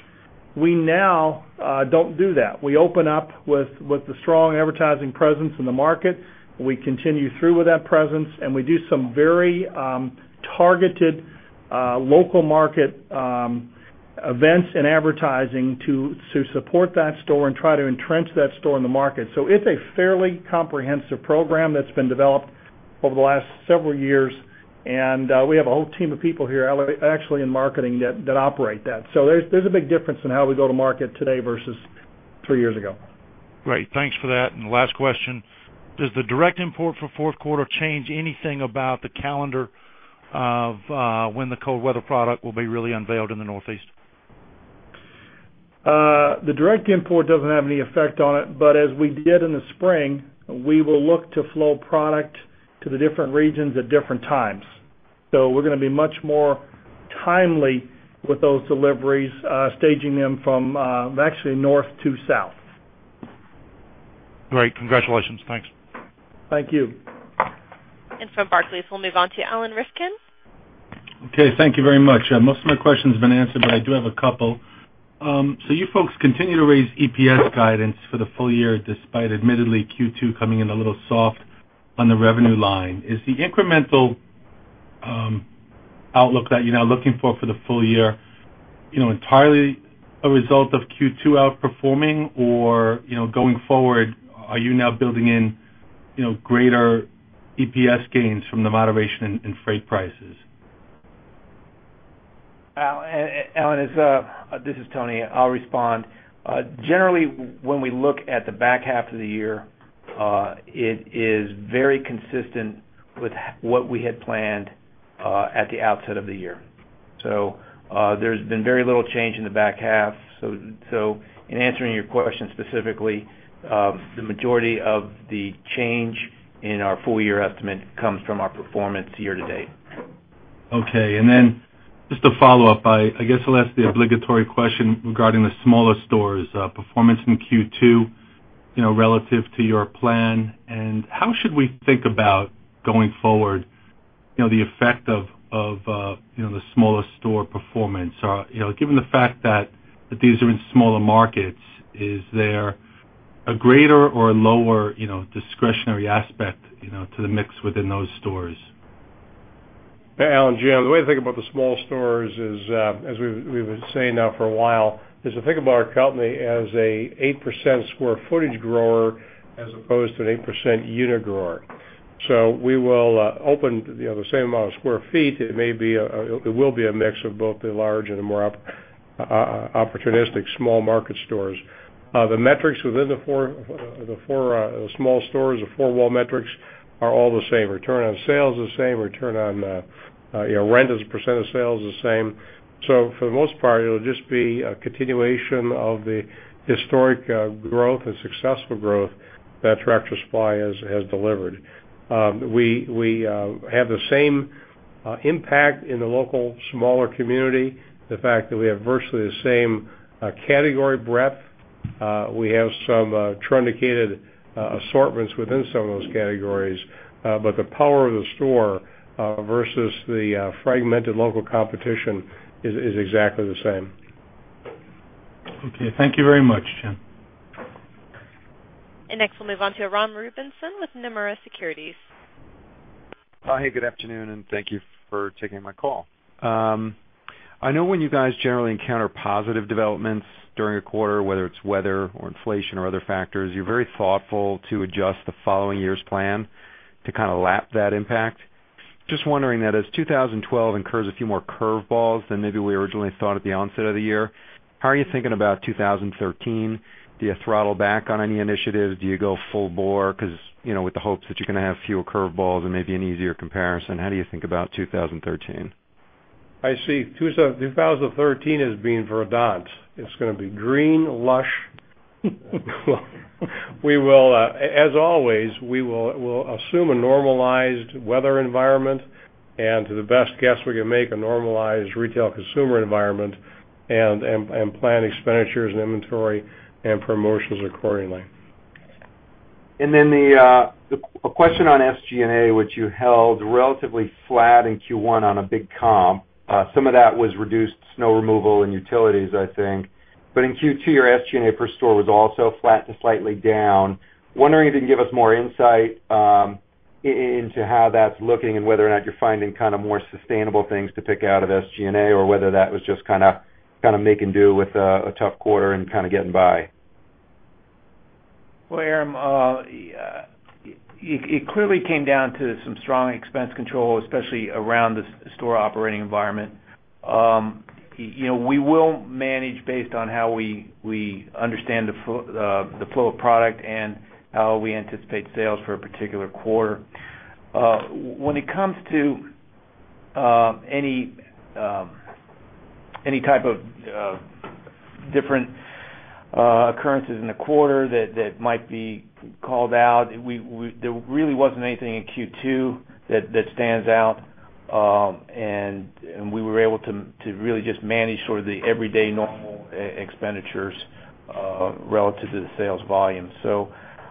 We now don't do that. We open up with a strong advertising presence in the market. We continue through with that presence, we do some very targeted local market events and advertising to support that store and try to entrench that store in the market. It's a fairly comprehensive program that's been developed over the last several years, we have a whole team of people here actually in marketing that operate that. There's a big difference in how we go to market today versus three years ago. Great. Thanks for that. Last question, does the direct import for fourth quarter change anything about the calendar of when the cold weather product will be really unveiled in the Northeast. The direct import doesn't have any effect on it, as we did in the spring, we will look to flow product to the different regions at different times. We're going to be much more timely with those deliveries, staging them from actually north to south. Great. Congratulations. Thanks. Thank you. From Barclays, we'll move on to Alan Rifkin. Okay, thank you very much. Most of my questions have been answered, but I do have a couple. You folks continue to raise EPS guidance for the full year, despite admittedly Q2 coming in a little soft on the revenue line. Is the incremental outlook that you're now looking for the full year entirely a result of Q2 outperforming, or going forward, are you now building in greater EPS gains from the moderation in freight prices? Alan, this is Tony. I'll respond. Generally, when we look at the back half of the year, it is very consistent with what we had planned at the outset of the year. There's been very little change in the back half. In answering your question specifically, the majority of the change in our full-year estimate comes from our performance year-to-date. Okay. Then just to follow up, I guess I'll ask the obligatory question regarding the smaller stores' performance in Q2, relative to your plan, and how should we think about going forward, the effect of the smaller store performance? Given the fact that these are in smaller markets, is there a greater or lower discretionary aspect to the mix within those stores? Alan, Jim, the way to think about the small stores is, as we've been saying now for a while, is to think about our company as an 8% square footage grower as opposed to an 8% unit grower. We will open the same amount of square feet. It will be a mix of both the large and the more opportunistic small market stores. The metrics within the four small stores, the four wall metrics are all the same. Return on sale is the same, return on rent as a % of sales is the same. For the most part, it'll just be a continuation of the historic growth and successful growth that Tractor Supply has delivered. We have the same impact in the local smaller community. The fact that we have virtually the same category breadth. We have some truncated assortments within some of those categories. The power of the store versus the fragmented local competition is exactly the same. Okay. Thank you very much, Jim. Next, we'll move on to Aram Rubinson with Nomura Securities. Hi, good afternoon, thank you for taking my call. I know when you guys generally encounter positive developments during a quarter, whether it's weather or inflation or other factors, you're very thoughtful to adjust the following year's plan to kind of lap that impact. Just wondering that as 2012 incurs a few more curve balls than maybe we originally thought at the onset of the year, how are you thinking about 2013? Do you throttle back on any initiatives? Do you go full bore with the hopes that you're going to have fewer curve balls and maybe an easier comparison? How do you think about 2013? I see 2013 as being verdant. It's going to be green, lush. As always, we will assume a normalized weather environment and to the best guess we can make, a normalized retail consumer environment and plan expenditures and inventory and promotions accordingly. Then a question on SG&A, which you held relatively flat in Q1 on a big comp. Some of that was reduced snow removal and utilities, I think. In Q2, your SG&A per store was also flat to slightly down. Wondering if you can give us more insight into how that's looking and whether or not you're finding more sustainable things to pick out of SG&A or whether that was just kind of making do with a tough quarter and kind of getting by. Well, Aram, it clearly came down to some strong expense control, especially around the store operating environment. We will manage based on how we understand the flow of product and how we anticipate sales for a particular quarter. When it comes to any type of different occurrences in the quarter that might be called out, there really wasn't anything in Q2 that stands out. We were able to really just manage sort of the everyday normal expenditures relative to the sales volume.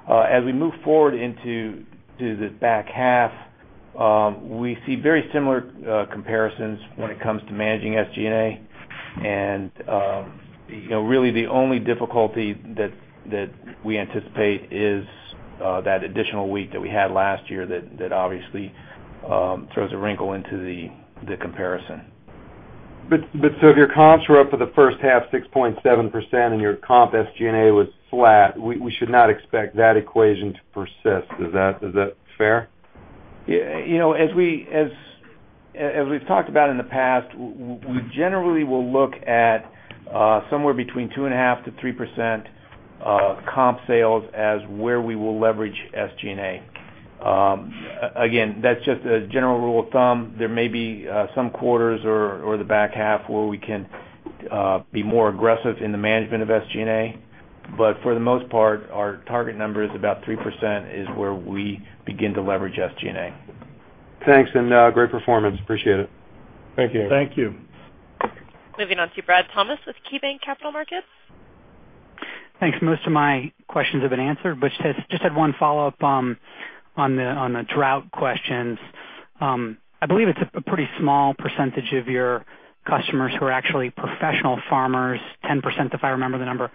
As we move forward into the back half, we see very similar comparisons when it comes to managing SG&A. Really the only difficulty that we anticipate is that additional week that we had last year that obviously throws a wrinkle into the comparison. If your comps were up for the first half 6.7% and your comp SG&A was flat, we should not expect that equation to persist. Is that fair? As we've talked about in the past, we generally will look at somewhere between 2.5% to 3% Comp sales as where we will leverage SG&A. Again, that's just a general rule of thumb. There may be some quarters or the back half where we can be more aggressive in the management of SG&A. For the most part, our target number is about 3% is where we begin to leverage SG&A. Thanks, and great performance. Appreciate it. Thank you. Thank you. Moving on to Brad Thomas with KeyBanc Capital Markets. Thanks. Most of my questions have been answered, just had one follow-up on the drought questions. I believe it's a pretty small percentage of your customers who are actually professional farmers, 10%, if I remember the number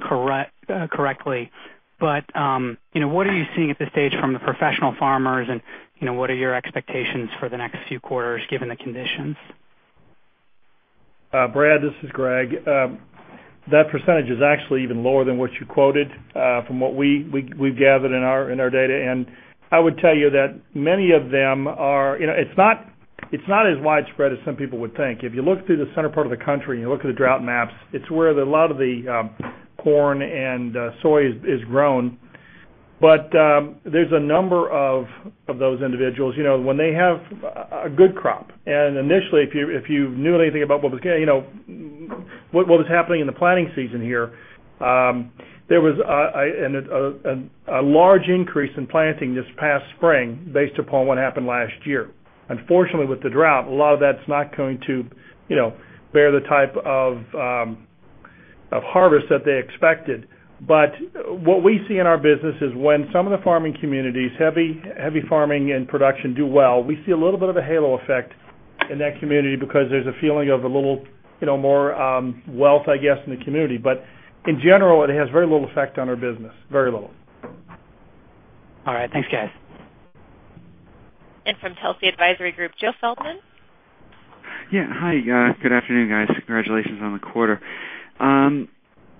correctly. What are you seeing at this stage from the professional farmers and what are your expectations for the next few quarters, given the conditions? Brad, this is Greg. That percentage is actually even lower than what you quoted from what we've gathered in our data. I would tell you that many of them. It's not as widespread as some people would think. If you look through the center part of the country, and you look at the drought maps, it's where a lot of the corn and soy is grown. There's a number of those individuals. When they have a good crop, initially, if you knew anything about what was happening in the planting season here, there was a large increase in planting this past spring based upon what happened last year. Unfortunately, with the drought, a lot of that's not going to bear the type of harvest that they expected. What we see in our business is when some of the farming communities, heavy farming and production do well, we see a little bit of a halo effect in that community because there's a feeling of a little more wealth, I guess, in the community. In general, it has very little effect on our business. Very little. All right. Thanks, guys. From Telsey Advisory Group, Joe Feldman. Yeah. Hi. Good afternoon, guys. Congratulations on the quarter.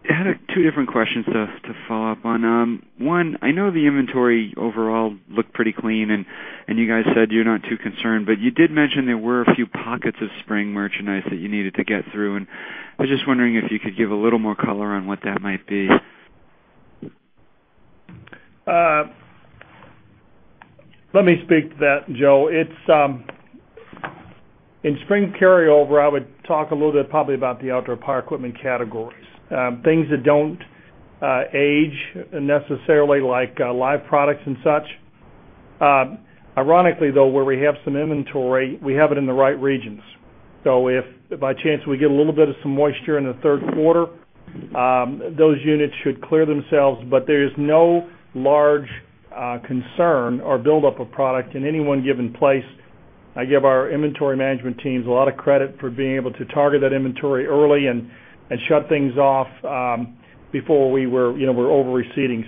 I had two different questions to follow up on. One, I know the inventory overall looked pretty clean and you guys said you're not too concerned, but you did mention there were a few pockets of spring merchandise that you needed to get through, and I was just wondering if you could give a little more color on what that might be. Let me speak to that, Joe. In spring carryover, I would talk a little bit probably about the outdoor power equipment categories. Things that don't age necessarily, like live products and such. Ironically, though, where we have some inventory, we have it in the right regions. If by chance we get a little bit of some moisture in the third quarter, those units should clear themselves. There is no large concern or buildup of product in any one given place. I give our inventory management teams a lot of credit for being able to target that inventory early and shut things off before we were over-receiving.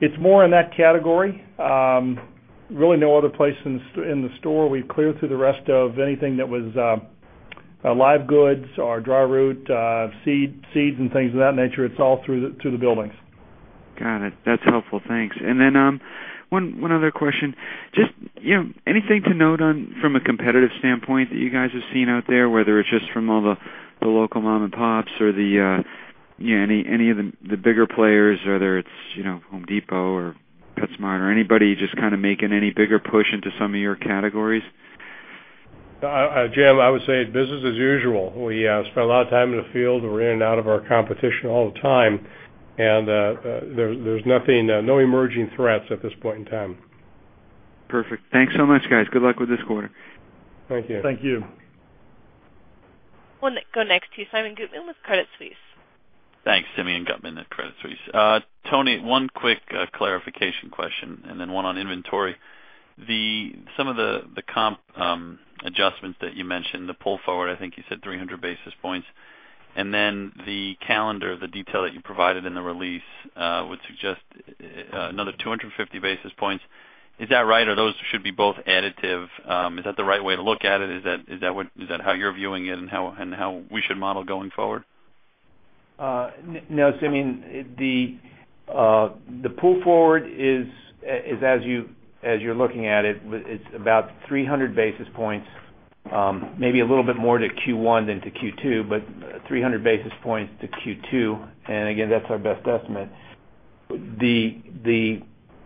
It's more in that category. Really no other place in the store. We've cleared through the rest of anything that was live goods or dry root, seeds and things of that nature. It's all through the buildings. Got it. That's helpful. Thanks. Then one other question. Just anything to note from a competitive standpoint that you guys are seeing out there, whether it's just from all the local mom and pops or any of the bigger players, whether it's Home Depot or PetSmart or anybody just making any bigger push into some of your categories? Jim, I would say business as usual. We spend a lot of time in the field. We're in and out of our competition all the time. There's no emerging threats at this point in time. Perfect. Thanks so much, guys. Good luck with this quarter. Thank you. Thank you. We'll go next to Simeon Gutman with Credit Suisse. Thanks. Simeon Gutman at Credit Suisse. Tony, one quick clarification question, then one on inventory. Some of the comp adjustments that you mentioned, the pull forward, I think you said 300 basis points, then the calendar, the detail that you provided in the release would suggest another 250 basis points. Is that right? Those should be both additive? Is that the right way to look at it? Is that how you're viewing it and how we should model going forward? No, Simeon, the pull forward is as you're looking at it's about 300 basis points, maybe a little bit more to Q1 than to Q2, but 300 basis points to Q2. Again, that's our best estimate. The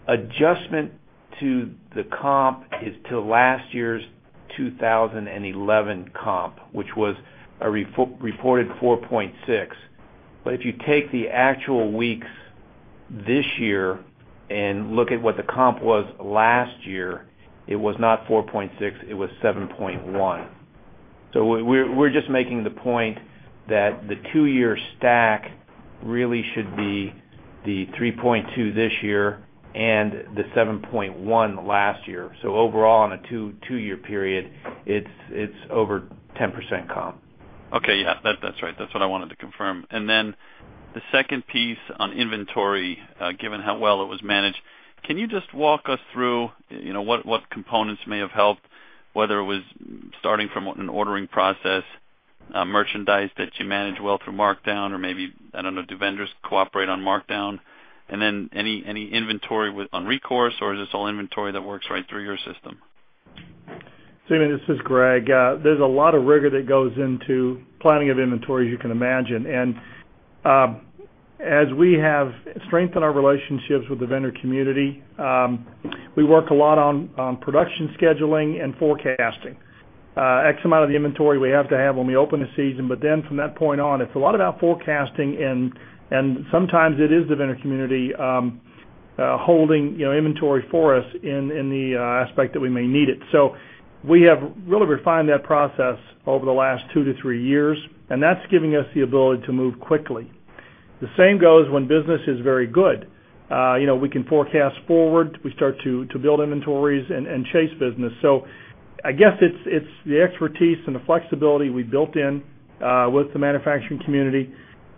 adjustment to the comp is to last year's 2011 comp, which was a reported 4.6. If you take the actual weeks this year and look at what the comp was last year, it was not 4.6, it was 7.1. We're just making the point that the two-year stack really should be the 3.2 this year and the 7.1 last year. Overall, on a two-year period, it's over 10% comp. Okay. Yeah, that's right. That's what I wanted to confirm. Then the second piece on inventory, given how well it was managed, can you just walk us through what components may have helped, whether it was starting from an ordering process, merchandise that you managed well through markdown or maybe, I don't know, do vendors cooperate on markdown? Then any inventory on recourse, is this all inventory that works right through your system? Simeon, this is Greg. There's a lot of rigor that goes into planning of inventory, as you can imagine. As we have strengthened our relationships with the vendor community, we work a lot on production scheduling and forecasting. X amount of the inventory we have to have when we open the season, from that point on, it's a lot about forecasting, and sometimes it is the vendor community holding inventory for us in the aspect that we may need it. We have really refined that process over the last two to three years, and that's giving us the ability to move quickly. The same goes when business is very good. We can forecast forward. We start to build inventories and chase business. I guess it's the expertise and the flexibility we built in with the manufacturing community,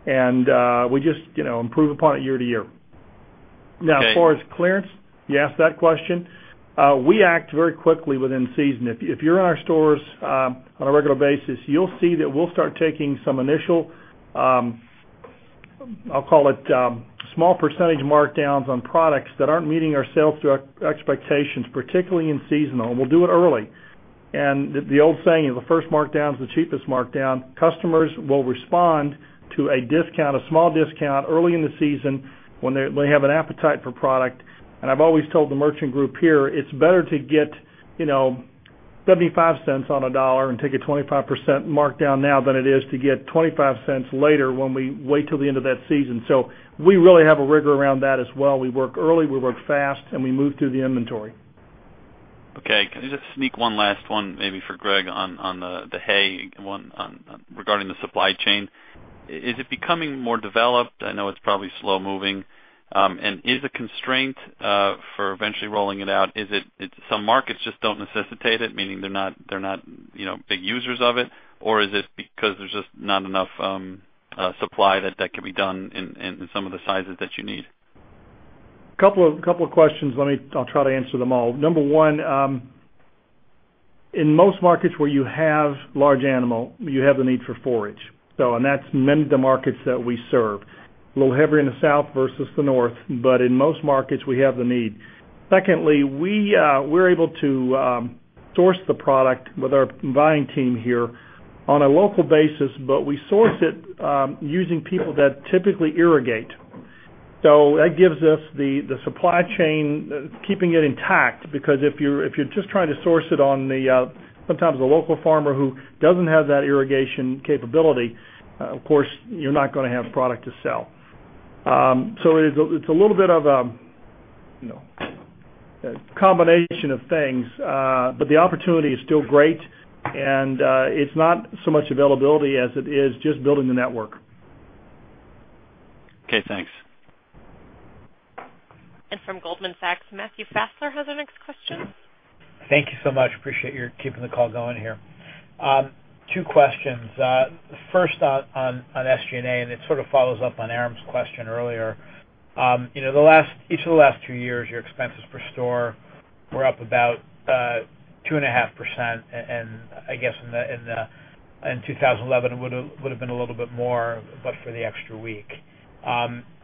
and we just improve upon it year to year. As far as clearance, you asked that question. We act very quickly within season. If you're in our stores on a regular basis, you'll see that we'll start taking some initial, I'll call it, small percentage markdowns on products that aren't meeting our sales expectations, particularly in seasonal, and we'll do it early. The old saying, the first markdown is the cheapest markdown. Customers will respond to a small discount early in the season when they have an appetite for product. I've always told the merchant group here, it's better to get $0.75 on a dollar and take a 25% markdown now than it is to get $0.25 later when we wait till the end of that season. We really have a rigor around that as well. We work early, we work fast, and we move through the inventory. Okay. Can I just sneak one last one maybe for Greg on the hay regarding the supply chain. Is it becoming more developed? I know it's probably slow-moving. Is a constraint for eventually rolling it out, some markets just don't necessitate it, meaning they're not big users of it, or is it because there's just not enough supply that can be done in some of the sizes that you need? A couple of questions. I'll try to answer them all. Number one, in most markets where you have large animal, you have the need for forage. That's many of the markets that we serve. A little heavier in the South versus the North, but in most markets, we have the need. Secondly, we're able to source the product with our buying team here on a local basis, but we source it using people that typically irrigate. That gives us the supply chain, keeping it intact, because if you're just trying to source it on sometimes the local farmer who doesn't have that irrigation capability, of course, you're not going to have product to sell. It's a little bit of a combination of things. The opportunity is still great, and it's not so much availability as it is just building the network. Okay, thanks. From Goldman Sachs, Matthew Fassler has our next question. Thank you so much. Appreciate your keeping the call going here. Two questions. First on SG&A, it sort of follows up on Aram's question earlier. Each of the last two years, your expenses per store were up about 2.5%, and I guess in 2011, it would've been a little bit more but for the extra week.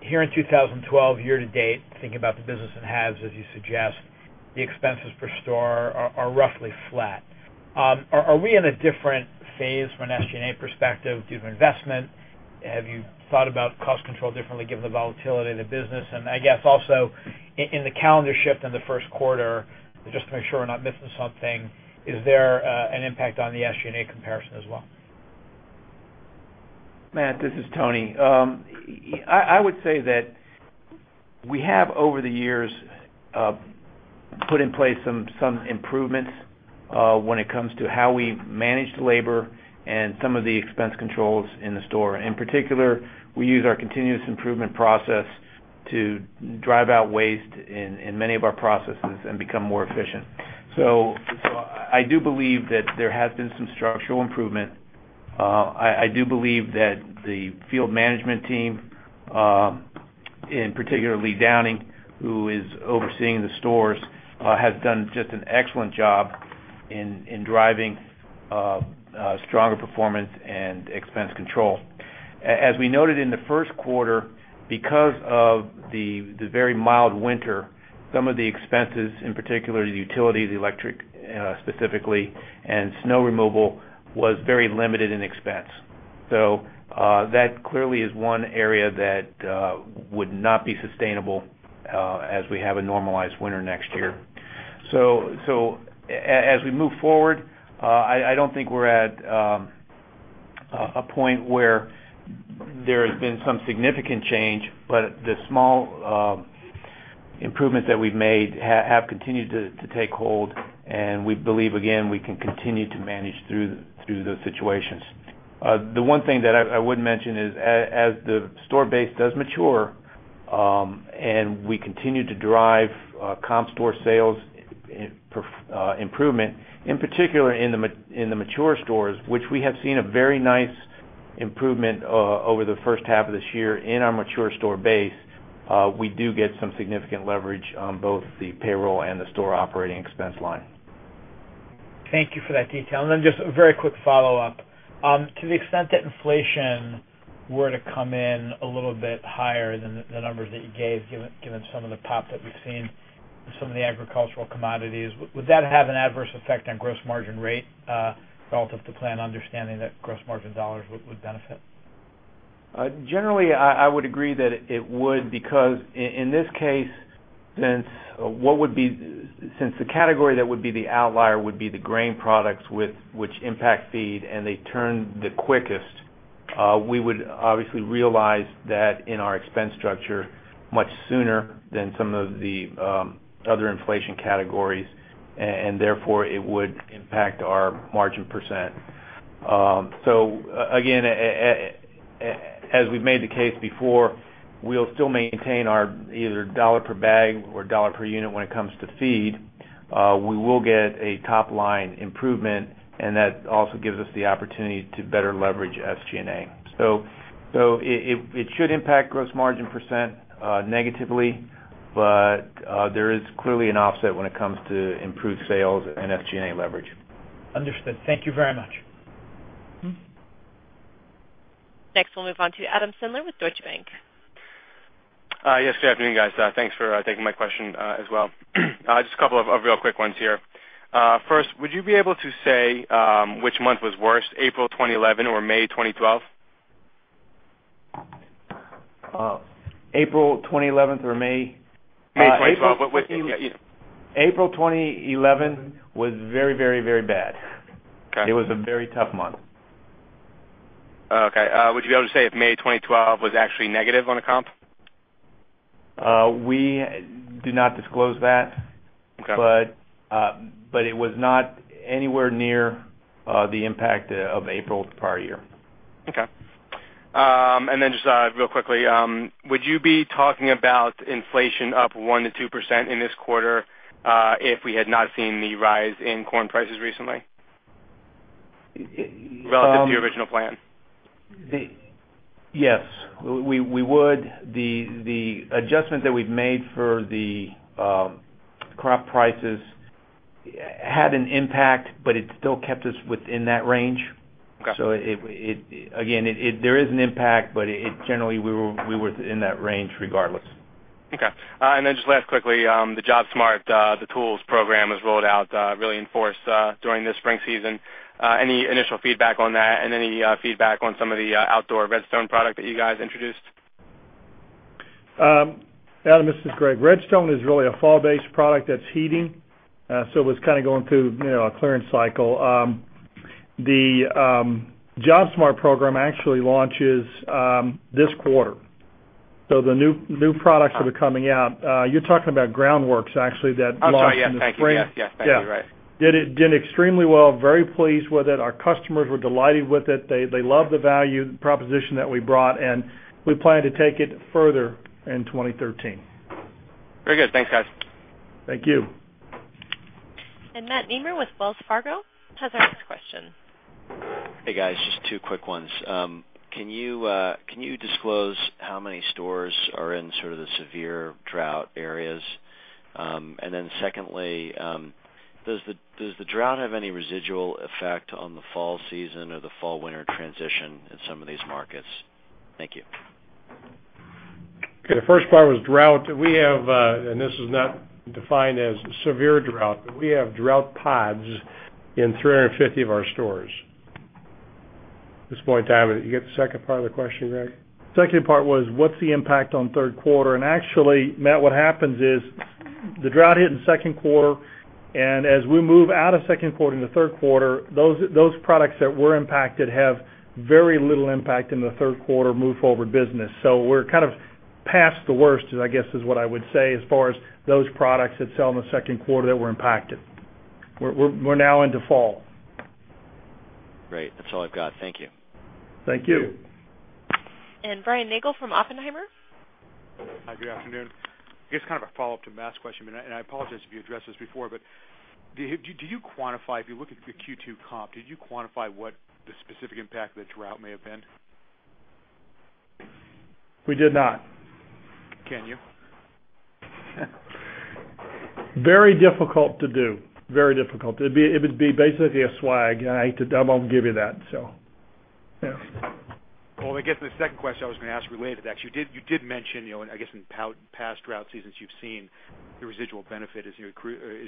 Here in 2012, year-to-date, thinking about the business in halves as you suggest, the expenses per store are roughly flat. Are we in a different phase from an SG&A perspective due to investment? Have you thought about cost control differently given the volatility of the business? I guess also in the calendar shift in the first quarter, just to make sure we're not missing something, is there an impact on the SG&A comparison as well? Matt, this is Tony. I would say that we have over the years put in place some improvements when it comes to how we manage the labor and some of the expense controls in the store. In particular, we use our continuous improvement process to drive out waste in many of our processes and become more efficient. I do believe that there has been some structural improvement. I do believe that the field management team, in particular Downing, who is overseeing the stores has done just an excellent job in driving stronger performance and expense control. As we noted in the first quarter, because of the very mild winter, some of the expenses, in particular the utilities, the electric specifically, and snow removal was very limited in expense. That clearly is one area that would not be sustainable as we have a normalized winter next year. As we move forward, I don't think we're at a point where there has been some significant change, but the small improvements that we've made have continued to take hold, and we believe again we can continue to manage through those situations. The one thing that I would mention is as the store base does mature, and we continue to drive comp store sales improvement, in particular in the mature stores, which we have seen a very nice improvement over the first half of this year in our mature store base, we do get some significant leverage on both the payroll and the store operating expense line. Thank you for that detail. Just a very quick follow-up. To the extent that inflation were to come in a little bit higher than the numbers that you gave, given some of the POP that we've seen in some of the agricultural commodities, would that have an adverse effect on gross margin rate relative to plan, understanding that gross margin dollars would benefit? Generally, I would agree that it would. Because in this case, since the category that would be the outlier would be the grain products which impact feed, and they turn the quickest, we would obviously realize that in our expense structure much sooner than some of the other inflation categories, and therefore it would impact our margin %. Again, as we've made the case before, we'll still maintain our either dollar per bag or dollar per unit when it comes to feed. We will get a top-line improvement, and that also gives us the opportunity to better leverage SG&A. It should impact gross margin % negatively, but there is clearly an offset when it comes to improved sales and SG&A leverage. Understood. Thank you very much. Next, we'll move on to Adam Sindler with Deutsche Bank. Yes, good afternoon, guys. Thanks for taking my question as well. Just a couple of real quick ones here. First, would you be able to say which month was worse, April 2011 or May 2012? April 2011 or May? May 2012. April 2011 was very bad. Okay. It was a very tough month. Okay. Would you be able to say if May 2012 was actually negative on a comp? We do not disclose that. Okay. It was not anywhere near the impact of April the prior year. Okay. Then just real quickly, would you be talking about inflation up 1% to 2% in this quarter if we had not seen the rise in corn prices recently? Relative to the original plan. Yes. We would. The adjustment that we've made for the crop prices had an impact, but it still kept us within that range. Okay. Again, there is an impact, but generally, we were within that range regardless. Okay. Just last quickly, the JobSmart, the tools program was rolled out really in force during the spring season. Any initial feedback on that? Any feedback on some of the outdoor RedStone product that you guys introduced? Adam, this is Greg. RedStone is really a fall-based product that's heating. It was kind of going through a clearance cycle. The JobSmart program actually launches this quarter, the new products that are coming out. You're talking about GroundWork, actually that launched in the spring. I'm sorry, yes. Thank you. Yes. Thank you. Right. Yeah. Did extremely well, very pleased with it. Our customers were delighted with it. They love the value proposition that we brought, and we plan to take it further in 2013. Very good. Thanks, guys. Thank you. Matt Nemer with Wells Fargo has our next question. Hey, guys. Just two quick ones. Can you disclose how many stores are in sort of the severe drought areas? Secondly, does the drought have any residual effect on the fall season or the fall-winter transition in some of these markets? Thank you. Okay. The first part was drought. We have, this is not defined as severe drought, but we have drought pods in 350 of our stores at this point in time. Did you get the second part of the question, Greg? Second part was, what's the impact on third quarter? Actually, Matt, what happens is the drought hit in the second quarter, and as we move out of second quarter into third quarter, those products that were impacted have very little impact in the third quarter move-forward business. We're kind of past the worst, I guess, is what I would say as far as those products that sell in the second quarter that were impacted. We're now into fall. Great. That's all I've got. Thank you. Thank you. Brian Nagel from Oppenheimer. Hi, good afternoon. I guess kind of a follow-up to Matt's question. I apologize if you addressed this before, do you quantify, if you look at the Q2 comp, did you quantify what the specific impact of the drought may have been? We did not. Can you? Very difficult to do. Very difficult. It would be basically a swag, and I won't give you that, so yeah. Well, I guess the second question I was going to ask related to that, because you did mention, I guess, in past drought seasons you've seen the residual benefit as you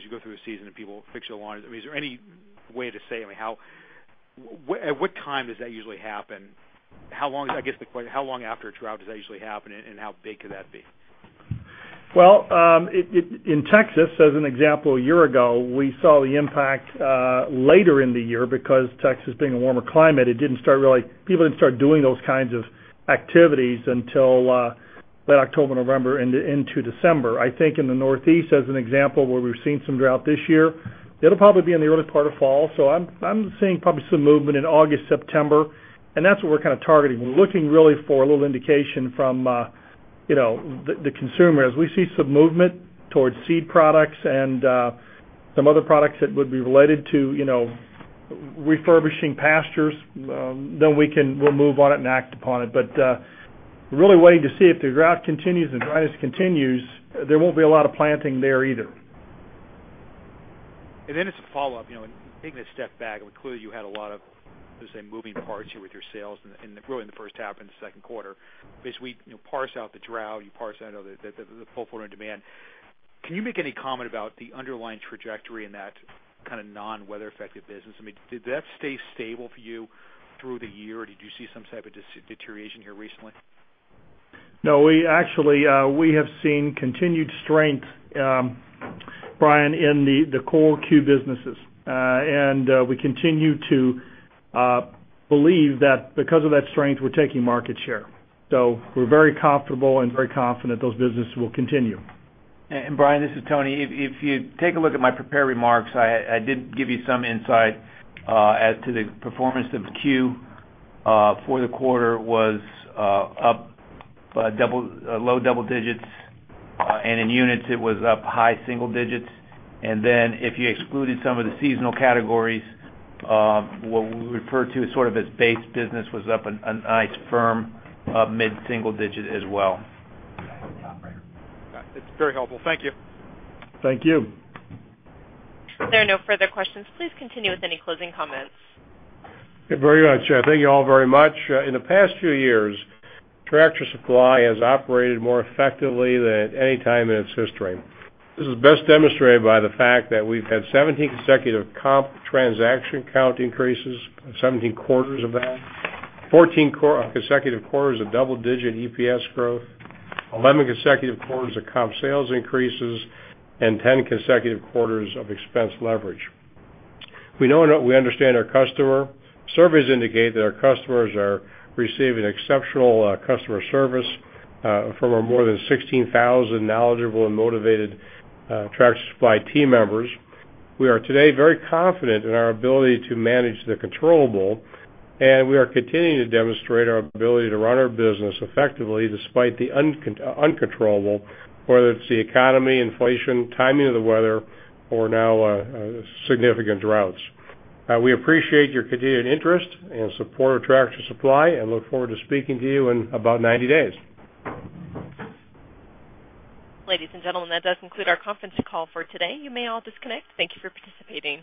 go through a season and people fix their lawns. Is there any way to say, at what time does that usually happen? How long after a drought does that usually happen, and how big could that be? Well, in Texas, as an example, a year ago, we saw the impact later in the year because Texas being a warmer climate, people didn't start doing those kinds of activities until late October, November into December. I think in the Northeast, as an example, where we've seen some drought this year, it'll probably be in the early part of fall. I'm seeing probably some movement in August, September, and that's what we're kind of targeting. We're looking really for a little indication from the consumer. We see some movement towards seed products and some other products that would be related to refurbishing pastures, then we'll move on it and act upon it. We're really waiting to see if the drought continues, the dryness continues, there won't be a lot of planting there either. Then as a follow-up, taking a step back, clearly you had a lot of, let's say, moving parts here with your sales, really in the first half and the second quarter. We parse out the drought, you parse out the pull-forward demand. Can you make any comment about the underlying trajectory in that kind of non-weather affected business? Did that stay stable for you through the year, or did you see some type of deterioration here recently? No, actually, we have seen continued strength, Brian, in the core C.U.E. businesses. We continue to believe that because of that strength, we're taking market share. We're very comfortable and very confident those businesses will continue. Brian, this is Tony. If you take a look at my prepared remarks, I did give you some insight as to the performance of C.U.E. for the quarter was up low double digits, and in units it was up high single digits. If you excluded some of the seasonal categories, what we refer to sort of as base business was up a nice firm mid-single digit as well. Got it. It's very helpful. Thank you. Thank you. If there are no further questions, please continue with any closing comments. Very much. Thank you all very much. In the past few years, Tractor Supply has operated more effectively than at any time in its history. This is best demonstrated by the fact that we've had 17 consecutive comp transaction count increases, 17 quarters of that, 14 consecutive quarters of double-digit EPS growth, 11 consecutive quarters of comp sales increases, and 10 consecutive quarters of expense leverage. We know and we understand our customer. Surveys indicate that our customers are receiving exceptional customer service from our more than 16,000 knowledgeable and motivated Tractor Supply team members. We are today very confident in our ability to manage the controllable, and we are continuing to demonstrate our ability to run our business effectively despite the uncontrollable, whether it's the economy, inflation, timing of the weather, or now significant droughts. We appreciate your continued interest and support of Tractor Supply and look forward to speaking to you in about 90 days. Ladies and gentlemen, that does conclude our conference call for today. You may all disconnect. Thank you for participating